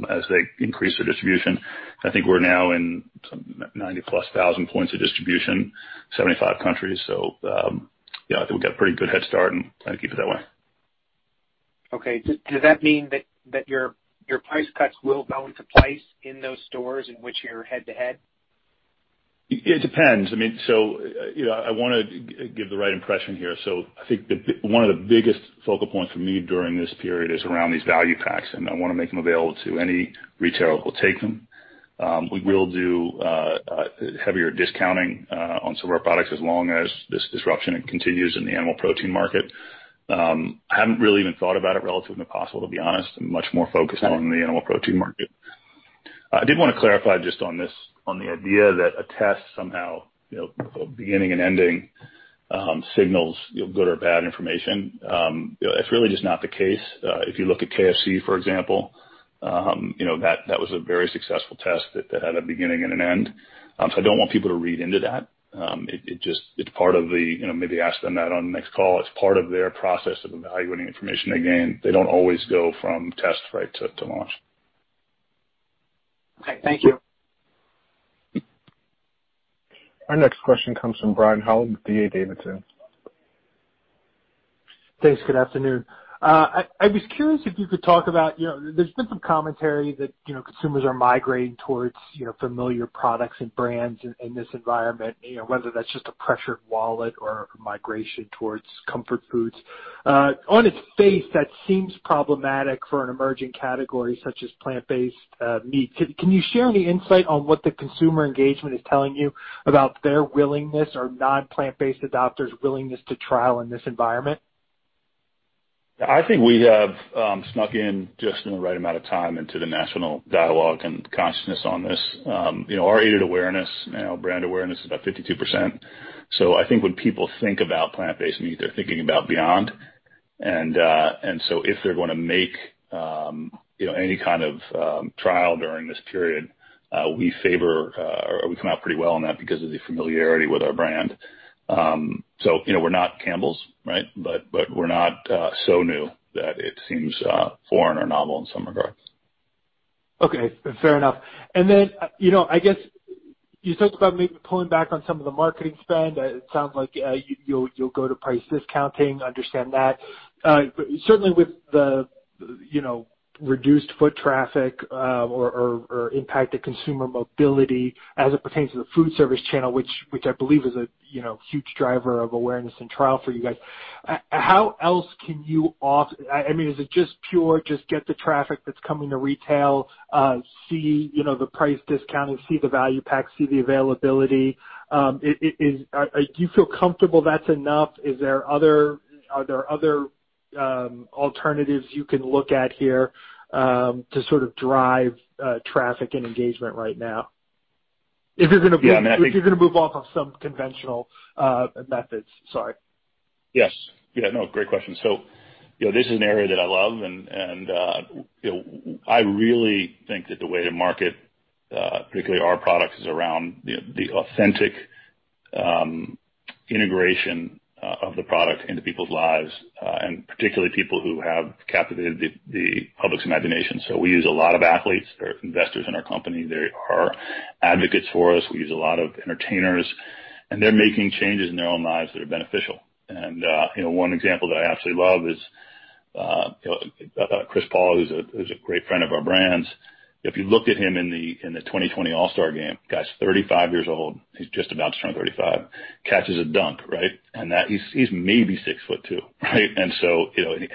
as they increase their distribution. I think we're now in some 90 plus thousand points of distribution, 75 countries. Yeah, I think we've got a pretty good head start and plan to keep it that way. Okay. Does that mean that your price cuts will go into place in those stores in which you're head-to-head? It depends. I want to give the right impression here. I think one of the biggest focal points for me during this period is around these value packs, and I want to make them available to any retailer who will take them. We will do heavier discounting on some of our products as long as this disruption continues in the animal protein market. I haven't really even thought about it relative to Impossible, to be honest. I'm much more focused on the animal protein market. I did want to clarify just on this, on the idea that a test somehow beginning and ending signals good or bad information. It's really just not the case. If you look at KFC, for example, that was a very successful test that had a beginning and an end. I don't want people to read into that. Maybe ask them that on the next call. It's part of their process of evaluating information. Again, they don't always go from test right to launch. Okay. Thank you. Our next question comes from Brian Holland with D.A. Davidson. Thanks. Good afternoon. I was curious if you could talk about. There's been some commentary that consumers are migrating towards familiar products and brands in this environment, whether that's just a pressured wallet or migration towards comfort foods. On its face, that seems problematic for an emerging category such as plant-based meat. Can you share any insight on what the consumer engagement is telling you about their willingness or non-plant-based adopters' willingness to trial in this environment? I think we have snuck in just in the right amount of time into the national dialogue and consciousness on this. Our aided awareness, now brand awareness, is about 52%. I think when people think about plant-based meat, they're thinking about Beyond. If they're going to make any kind of trial during this period, we favor or we come out pretty well on that because of the familiarity with our brand. We're not Campbell's, but we're not so new that it seems foreign or novel in some regards. Okay. Fair enough. I guess you talked about maybe pulling back on some of the marketing spend. It sounds like you'll go to price discounting. Understand that. Certainly, with the reduced foot traffic or impacted consumer mobility as it pertains to the food service channel, which I believe is a huge driver of awareness and trial for you guys. How else can you? Is it just pure, just get the traffic that's coming to retail, see the price discounting, see the value pack, see the availability? Do you feel comfortable that's enough? Are there other alternatives you can look at here to sort of drive traffic and engagement right now? Yeah. If you're going to move off of some conventional methods. Sorry. Yes. Yeah, no, great question. This is an area that I love and I really think that the way to market, particularly our product, is around the authentic integration of the product into people's lives, and particularly people who have captivated the public's imagination. We use a lot of athletes. They're investors in our company. They are advocates for us. We use a lot of entertainers, and they're making changes in their own lives that are beneficial. One example that I absolutely love is Chris Paul, who's a great friend of our brands. If you look at him in the 2020 All-Star Game, guy's 35 years old. He's just about to turn 35. Catches a dunk, right? He's maybe 6 ft 2 right?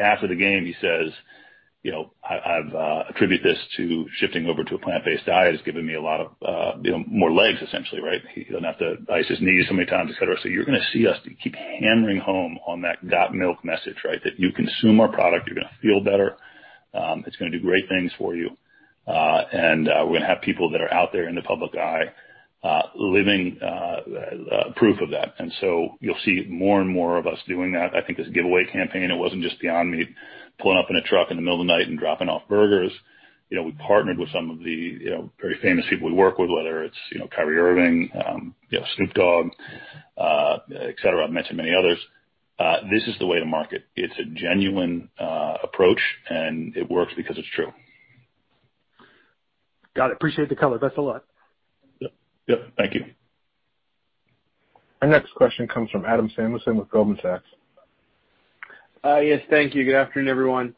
After the game, he says, "I attribute this to shifting over to a plant-based diet. It's given me a lot of more legs, essentially," right? He doesn't have to ice his knees so many times, et cetera. You're going to see us keep hammering home on that got milk? message, right? That you consume our product, you're going to feel better. It's going to do great things for you. We're going to have people that are out there in the public eye living proof of that. You'll see more and more of us doing that. I think this giveaway campaign, it wasn't just Beyond Meat pulling up in a truck in the middle of the night and dropping off burgers. We partnered with some of the very famous people we work with, whether it's Kyrie Irving, Snoop Dogg, et cetera. I've mentioned many others. This is the way to market. It's a genuine approach, and it works because it's true. Got it. Appreciate the color. Thanks a lot. Yep. Thank you. Our next question comes from Adam Samuelson with Goldman Sachs. Yes, thank you. Good afternoon, everyone.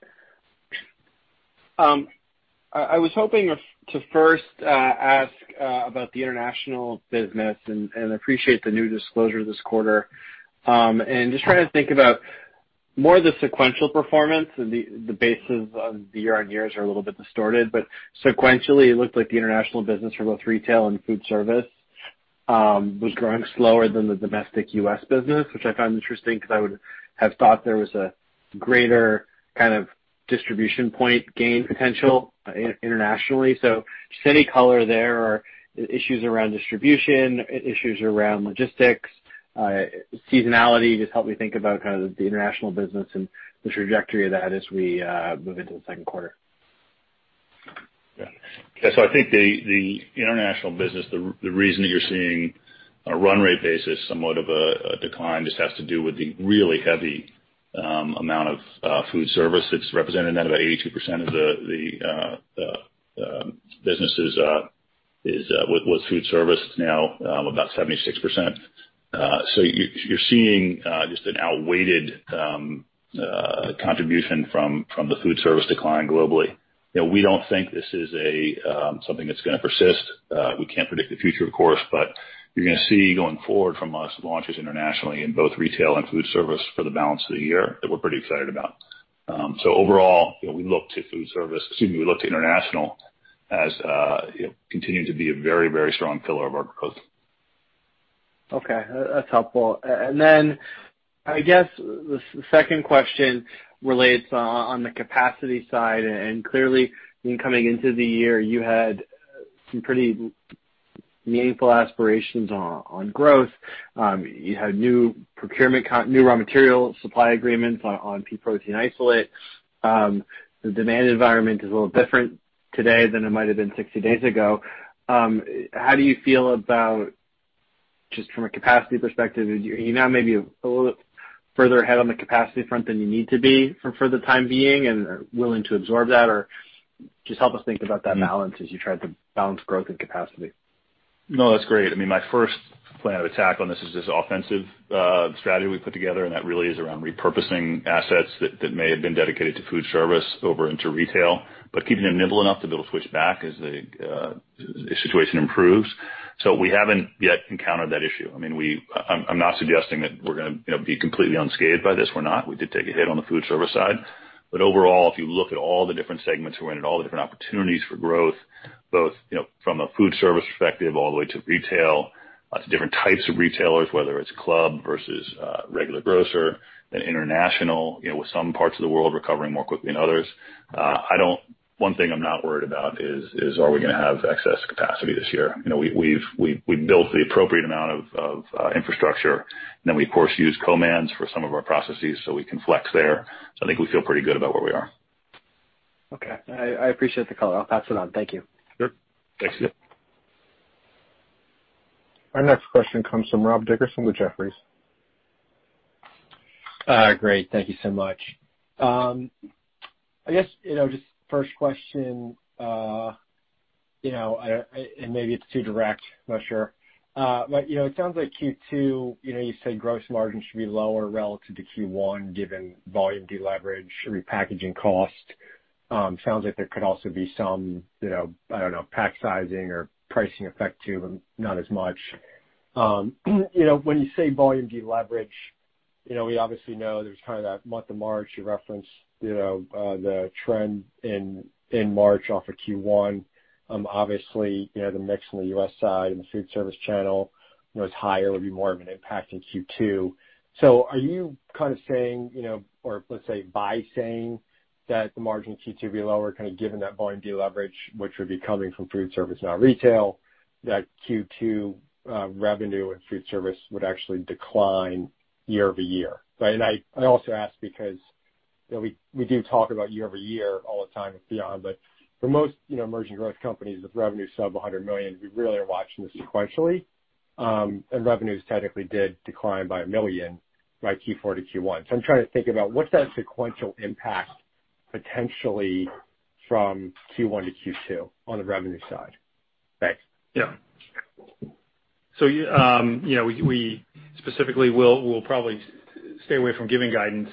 I was hoping to first ask about the international business, and appreciate the new disclosure this quarter. Just trying to think about more the sequential performance, and the basis of the year-on-year are a little bit distorted. Sequentially, it looked like the international business for both retail and food service was growing slower than the domestic U.S. business, which I found interesting because I would have thought there was a greater kind of distribution point gain potential internationally. Just any color there or issues around distribution, issues around logistics seasonality. Just help me think about the international business and the trajectory of that as we move into the second quarter. Yeah. I think the international business, the reason that you're seeing a run rate basis, somewhat of a decline, just has to do with the really heavy amount of food service that's represented. About 82% of the businesses was food service, now about 76%. You're seeing just an outweighed contribution from the food service decline globally. We don't think this is something that's going to persist. We can't predict the future, of course, you're going to see, going forward from us, launches internationally in both retail and food service for the balance of the year that we're pretty excited about. Overall, we look to international as continuing to be a very strong pillar of our growth. Okay. That's helpful. I guess the second question relates on the capacity side, and clearly in coming into the year, you had some pretty meaningful aspirations on growth. You had new procurement, new raw material supply agreements on pea protein isolate. The demand environment is a little different today than it might've been 60 days ago. How do you feel about, just from a capacity perspective, are you now maybe a little bit further ahead on the capacity front than you need to be for the time being and are willing to absorb that? Just help us think about that balance as you try to balance growth and capacity. No, that's great. My first plan of attack on this is this offensive strategy we put together, and that really is around repurposing assets that may have been dedicated to food service over into retail, but keeping them nimble enough to be able to switch back as the situation improves. We haven't yet encountered that issue. I'm not suggesting that we're going to be completely unscathed by this. We're not. We did take a hit on the food service side. Overall, if you look at all the different segments we're in and all the different opportunities for growth, both from a food service perspective all the way to retail, to different types of retailers, whether it's club versus regular grocer, and international, with some parts of the world recovering more quickly than others. One thing I'm not worried about is, are we going to have excess capacity this year? We've built the appropriate amount of infrastructure, and then we of course use co-mans for some of our processes so we can flex there. I think we feel pretty good about where we are. Okay. I appreciate the color. I'll pass it on. Thank you. Sure. Thanks. Our next question comes from Rob Dickerson with Jefferies. Great. Thank you so much. I guess, just first question, maybe it's too direct, I'm not sure. It sounds like Q2, you say gross margins should be lower relative to Q1 given volume deleverage, repackaging cost. Sounds like there could also be some, I don't know, pack sizing or pricing effect too, but not as much. When you say volume deleverage, we obviously know there's kind of that month of March you referenced, the trend in March off of Q1. Obviously, the mix on the U.S. side and the food service channel was higher, would be more of an impact in Q2. Are you saying, or let's say by saying that the margin in Q2 will be lower, given that volume deleverage, which would be coming from food service, not retail, that Q2 revenue and food service would actually decline year-over-year? I also ask because we do talk about year-over-year all the time at Beyond, but for most emerging growth companies with revenue sub $100 million, we really are watching this sequentially. Revenues technically did decline by $1 million by Q4 to Q1. I'm trying to think about what's that sequential impact potentially from Q1 to Q2 on the revenue side. Thanks. Yeah. We specifically will probably stay away from giving guidance,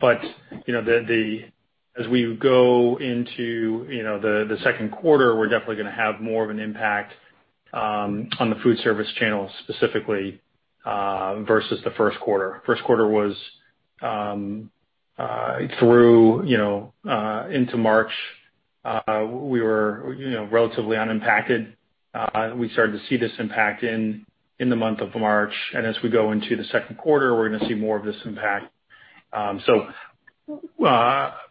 but as we go into the second quarter, we're definitely going to have more of an impact on the food service channel specifically, versus the first quarter. First quarter was through into March, we were relatively unimpacted. We started to see this impact in the month of March. As we go into the second quarter, we're going to see more of this impact.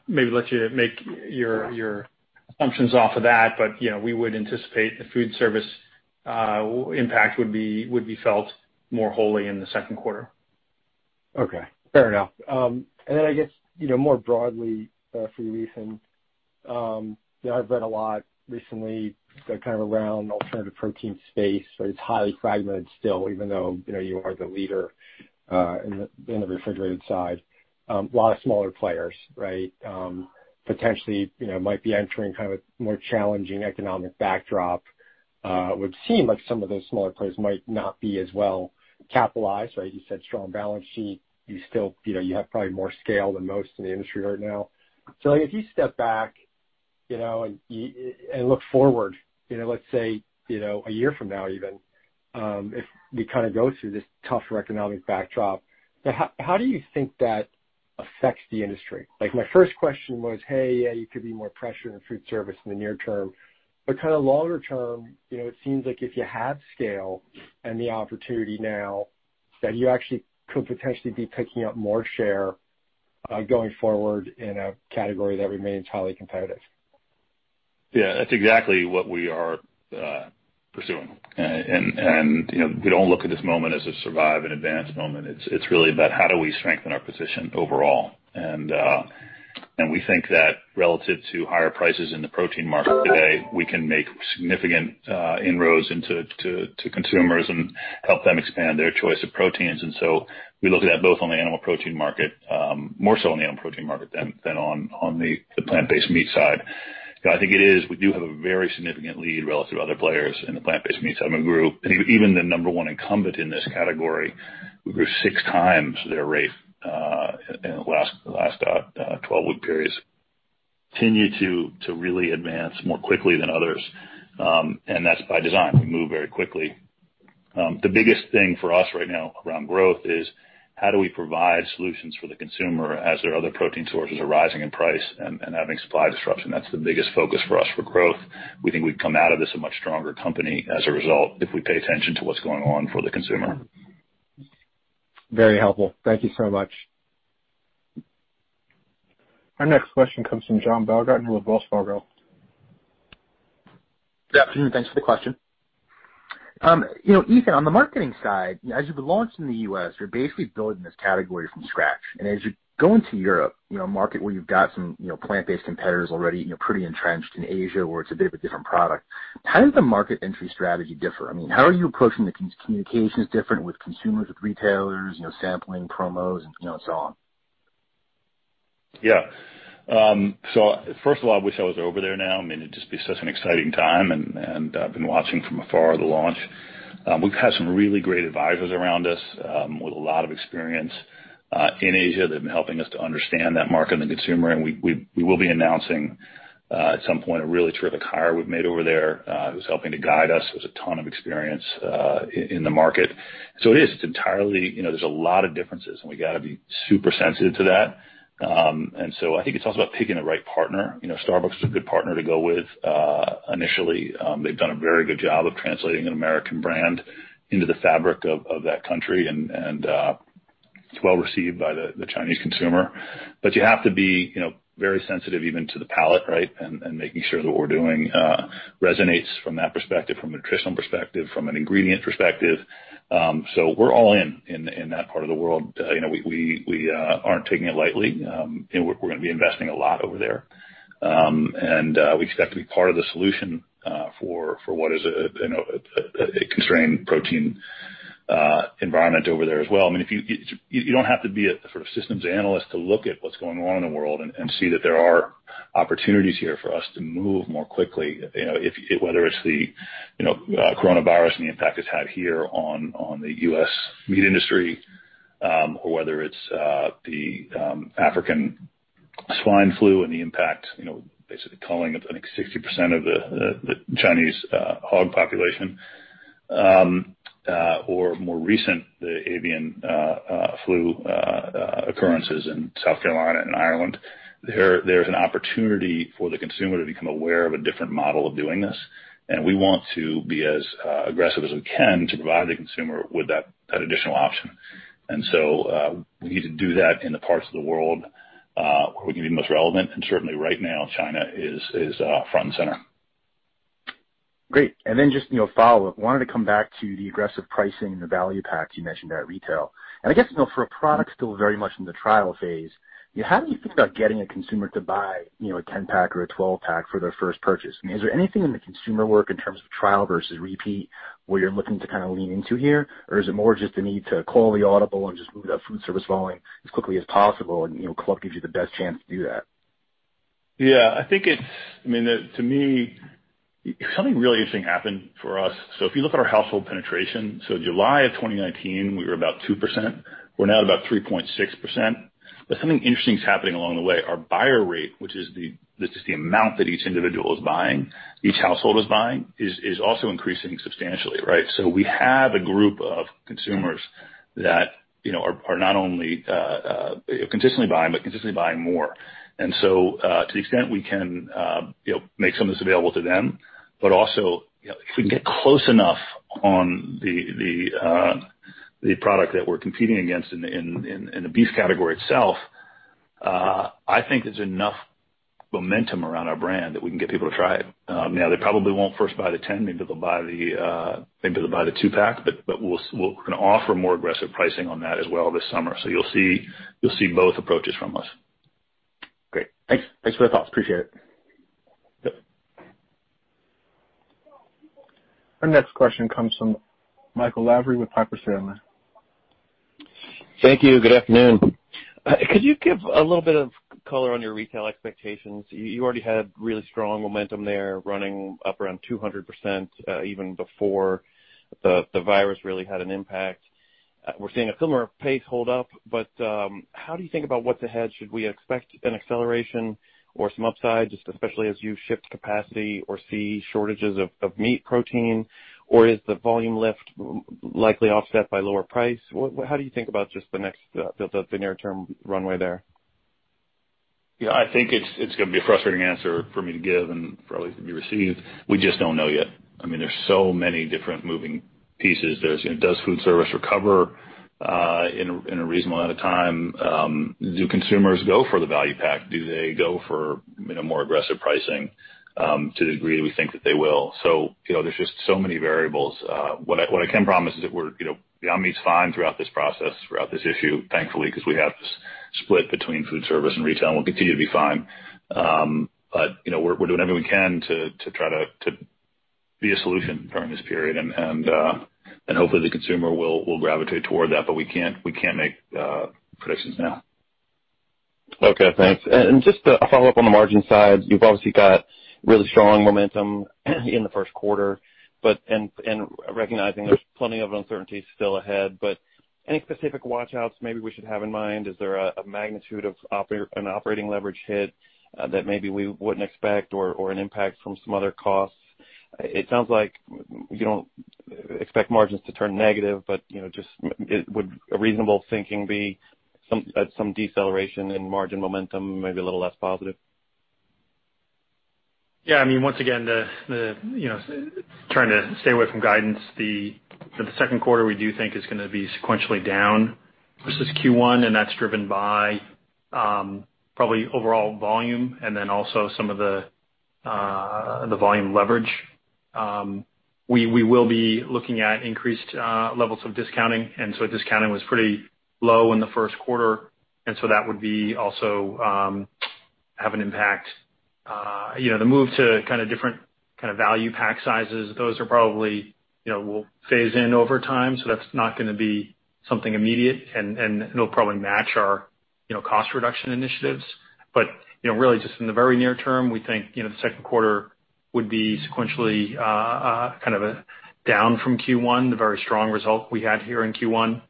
Maybe let you make your assumptions off of that, but we would anticipate the food service impact would be felt more wholly in the second quarter. Okay. Fair enough. Then I guess, more broadly for you, Ethan, I've read a lot recently kind of around alternative protein space, but it's highly fragmented still, even though you are the leader in the refrigerated side. A lot of smaller players, right? Potentially might be entering kind of a more challenging economic backdrop. It would seem like some of those smaller players might not be as well capitalized, right? You said strong balance sheet. You have probably more scale than most in the industry right now. If you step back and look forward, let's say a year from now even, if we go through this tougher economic backdrop, how do you think that affects the industry? My first question was, hey, yeah, you could be more pressure in food service in the near term. Kind of longer term, it seems like if you have scale and the opportunity now that you actually could potentially be picking up more share going forward in a category that remains highly competitive. Yeah, that's exactly what we are pursuing. We don't look at this moment as a survive and advance moment. It's really about how do we strengthen our position overall. We think that relative to higher prices in the protein market today we can make significant inroads into consumers and help them expand their choice of proteins. We look at that both on the animal protein market, more so on the animal protein market than on the plant-based meat side. We do have a very significant lead relative to other players in the plant-based meat segment group, and even the number one incumbent in this category. We grew six times their rate in the last 12-week periods. Continue to really advance more quickly than others. That's by design. We move very quickly. The biggest thing for us right now around growth is how do we provide solutions for the consumer as their other protein sources are rising in price and having supply disruption. That's the biggest focus for us for growth. We think we'd come out of this a much stronger company as a result if we pay attention to what's going on for the consumer. Very helpful. Thank you so much. Our next question comes from John Baumgartner with Wells Fargo. Good afternoon. Thanks for the question. Ethan, on the marketing side, as you've launched in the U.S., you're basically building this category from scratch. As you're going to Europe, a market where you've got some plant-based competitors already pretty entrenched in Asia, where it's a bit of a different product, how does the market entry strategy differ? I mean, how are you approaching the communications different with consumers, with retailers, sampling, promos and so on? First of all, I wish I was over there now. I mean, it'd just be such an exciting time, and I've been watching from afar the launch. We've had some really great advisors around us, with a lot of experience, in Asia that have been helping us to understand that market and the consumer. We will be announcing, at some point, a really terrific hire we've made over there, who's helping to guide us with a ton of experience in the market. It is, entirely, there's a lot of differences and we got to be super sensitive to that. I think it's also about picking the right partner. Starbucks is a good partner to go with initially. They've done a very good job of translating an American brand into the fabric of that country. It's well received by the Chinese consumer. You have to be very sensitive even to the palate, right? Making sure that what we're doing resonates from that perspective, from a nutritional perspective, from an ingredient perspective. We're all in that part of the world. We aren't taking it lightly. We're going to be investing a lot over there. We expect to be part of the solution for what is a constrained protein environment over there as well. I mean, you don't have to be a sort of systems analyst to look at what's going on in the world and see that there are opportunities here for us to move more quickly. Whether it's the COVID-19 and the impact it's had here on the U.S. meat industry, or whether it's the African swine fever and the impact, basically culling of, I think, 60% of the Chinese hog population. More recent, the avian flu occurrences in South Carolina and Ireland. There's an opportunity for the consumer to become aware of a different model of doing this, and we want to be as aggressive as we can to provide the consumer with that additional option. We need to do that in the parts of the world where we can be most relevant. Certainly right now, China is front and center. Great. Just a follow-up. Wanted to come back to the aggressive pricing and the value packs you mentioned at retail. I guess, for a product still very much in the trial phase, how do you think about getting a consumer to buy a 10-pack or a 12-pack for their first purchase? I mean, is there anything in the consumer work in terms of trial versus repeat where you're looking to kind of lean into here? Is it more just a need to call the audible and just move that food service volume as quickly as possible and club gives you the best chance to do that? I mean, to me, something really interesting happened for us. If you look at our household penetration, July of 2019, we were about 2%. We're now at about 3.6%. Something interesting is happening along the way. Our buyer rate, which is the amount that each individual is buying, each household is buying, is also increasing substantially, right? We have a group of consumers that are not only consistently buying, but consistently buying more. To the extent we can make some of this available to them, but also, if we can get close enough on the product that we're competing against in the beef category itself, I think there's enough momentum around our brand that we can get people to try it. Now they probably won't first buy the 10, maybe they'll buy the two-pack. We're going to offer more aggressive pricing on that as well this summer. You'll see both approaches from us. Great. Thanks for the thoughts. Appreciate it. Yep. Our next question comes from Michael Lavery with Piper Sandler. Thank you. Good afternoon. Could you give a little bit of color on your retail expectations? You already had really strong momentum there running up around 200% even before the virus really had an impact. We're seeing a similar pace hold up, but how do you think about what's ahead? Should we expect an acceleration or some upside, just especially as you shift capacity or see shortages of meat protein? Is the volume lift likely offset by lower price? How do you think about just the near-term runway there? Yeah, I think it's going to be a frustrating answer for me to give and probably to be received. We just don't know yet. I mean, there's so many different moving pieces. Does food service recover in a reasonable amount of time? Do consumers go for the value pack? Do they go for more aggressive pricing to the degree we think that they will? There's just so many variables. What I can promise is that Beyond Meat's fine throughout this process, throughout this issue, thankfully, because we have this split between food service and retail, and we'll continue to be fine. We're doing everything we can to try to be a solution during this period, and hopefully the consumer will gravitate toward that, but we can't make predictions now. Okay, thanks. Just a follow-up on the margin side. You've obviously got really strong momentum in the first quarter, and recognizing there's plenty of uncertainty still ahead, but any specific watch-outs maybe we should have in mind? Is there a magnitude of an operating leverage hit that maybe we wouldn't expect or an impact from some other costs? It sounds like you don't expect margins to turn negative, but would a reasonable thinking be at some deceleration in margin momentum, maybe a little less positive? Yeah. Once again, trying to stay away from guidance. For the second quarter, we do think it's going to be sequentially down versus Q1. That's driven by probably overall volume and then also some of the volume leverage. We will be looking at increased levels of discounting. Discounting was pretty low in the first quarter. That would also have an impact. The move to different kind of value pack sizes, those probably will phase in over time. That's not going to be something immediate. It'll probably match our cost reduction initiatives. Really just in the very near term, we think, the second quarter would be sequentially down from Q1, the very strong result we had here in Q1.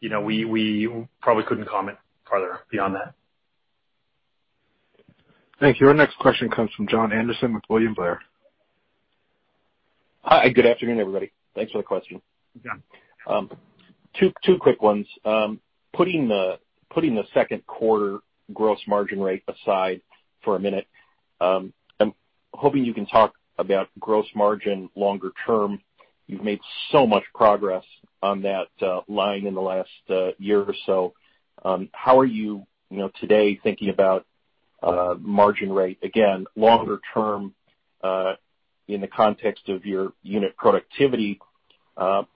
We probably couldn't comment farther beyond that. Thank you. Our next question comes from Jon Andersen with William Blair. Hi. Good afternoon, everybody. Thanks for the question. Yeah. Two quick ones. Putting the second quarter gross margin rate aside for a minute, I'm hoping you can talk about gross margin longer term. You've made so much progress on that line in the last year or so. How are you today thinking about margin rate, again, longer term in the context of your unit productivity that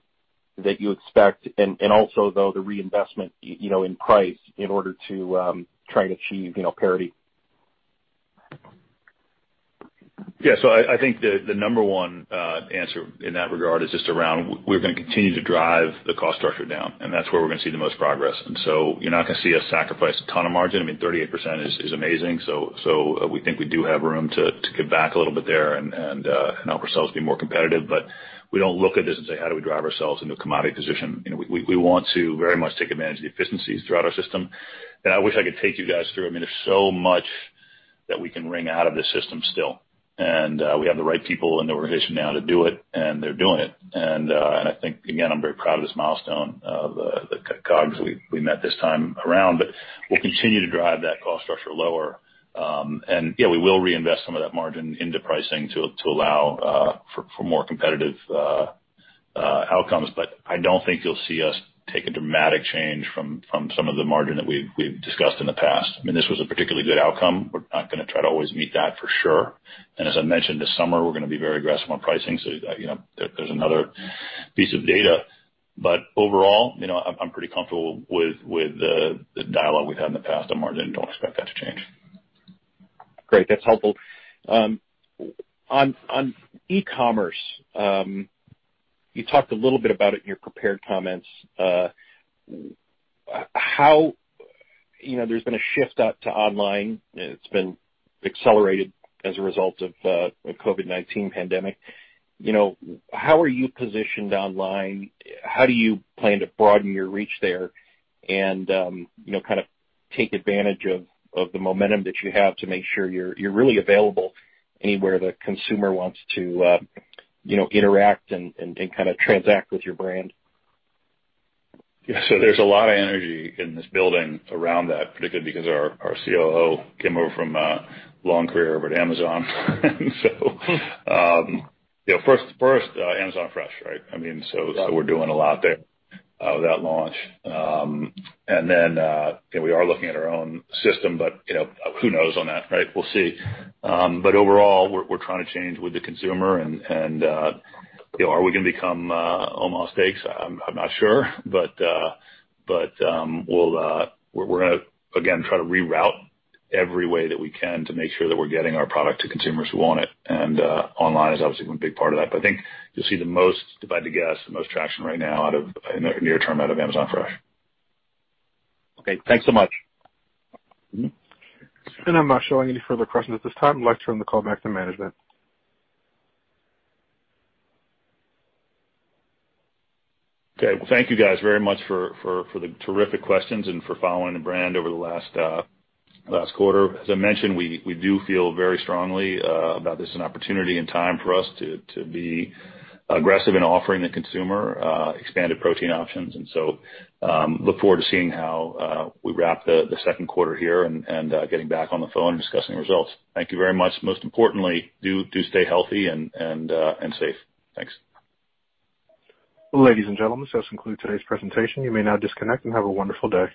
you expect and also though the reinvestment in price in order to try and achieve parity? Yeah. I think the number one answer in that regard is just around, we're going to continue to drive the cost structure down, and that's where we're going to see the most progress. You're not going to see us sacrifice a ton of margin. 38% is amazing. We think we do have room to give back a little bit there and help ourselves be more competitive. We don't look at this and say, "How do we drive ourselves into a commodity position?" We want to very much take advantage of the efficiencies throughout our system. I wish I could take you guys through. There's so much that we can wring out of this system still. We have the right people in the organization now to do it, and they're doing it. I think, again, I'm very proud of this milestone of the COGS we met this time around. We'll continue to drive that cost structure lower. Yeah, we will reinvest some of that margin into pricing to allow for more competitive outcomes. I don't think you'll see us take a dramatic change from some of the margin that we've discussed in the past. This was a particularly good outcome. We're not going to try to always meet that, for sure. As I mentioned, this summer, we're going to be very aggressive on pricing, so there's another piece of data. Overall, I'm pretty comfortable with the dialogue we've had in the past on margin. Don't expect that to change. Great. That's helpful. On e-commerce, you talked a little bit about it in your prepared comments. There's been a shift to online, and it's been accelerated as a result of the COVID-19 pandemic. How are you positioned online? How do you plan to broaden your reach there and take advantage of the momentum that you have to make sure you're really available anywhere the consumer wants to interact and transact with your brand? Yeah. There's a lot of energy in this building around that, particularly because our COO came over from a long career over at Amazon. First, Amazon Fresh, right? We're doing a lot there with that launch. We are looking at our own system, who knows on that, right? We'll see. Overall, we're trying to change with the consumer, and are we going to become Omaha Steaks? I'm not sure. We're going to, again, try to reroute every way that we can to make sure that we're getting our product to consumers who want it. Online is obviously going to be a big part of that. I think you'll see the most, if I had to guess, the most traction right now in the near term out of Amazon Fresh. Okay. Thanks so much. I'm not showing any further questions at this time. I'd like to turn the call back to management. Okay. Well, thank you guys very much for the terrific questions and for following the brand over the last quarter. As I mentioned, we do feel very strongly about this as an opportunity and time for us to be aggressive in offering the consumer expanded protein options. Look forward to seeing how we wrap the second quarter here and getting back on the phone and discussing results. Thank you very much. Most importantly, do stay healthy and safe. Thanks. Ladies and gentlemen, this concludes today's presentation. You may now disconnect, and have a wonderful day.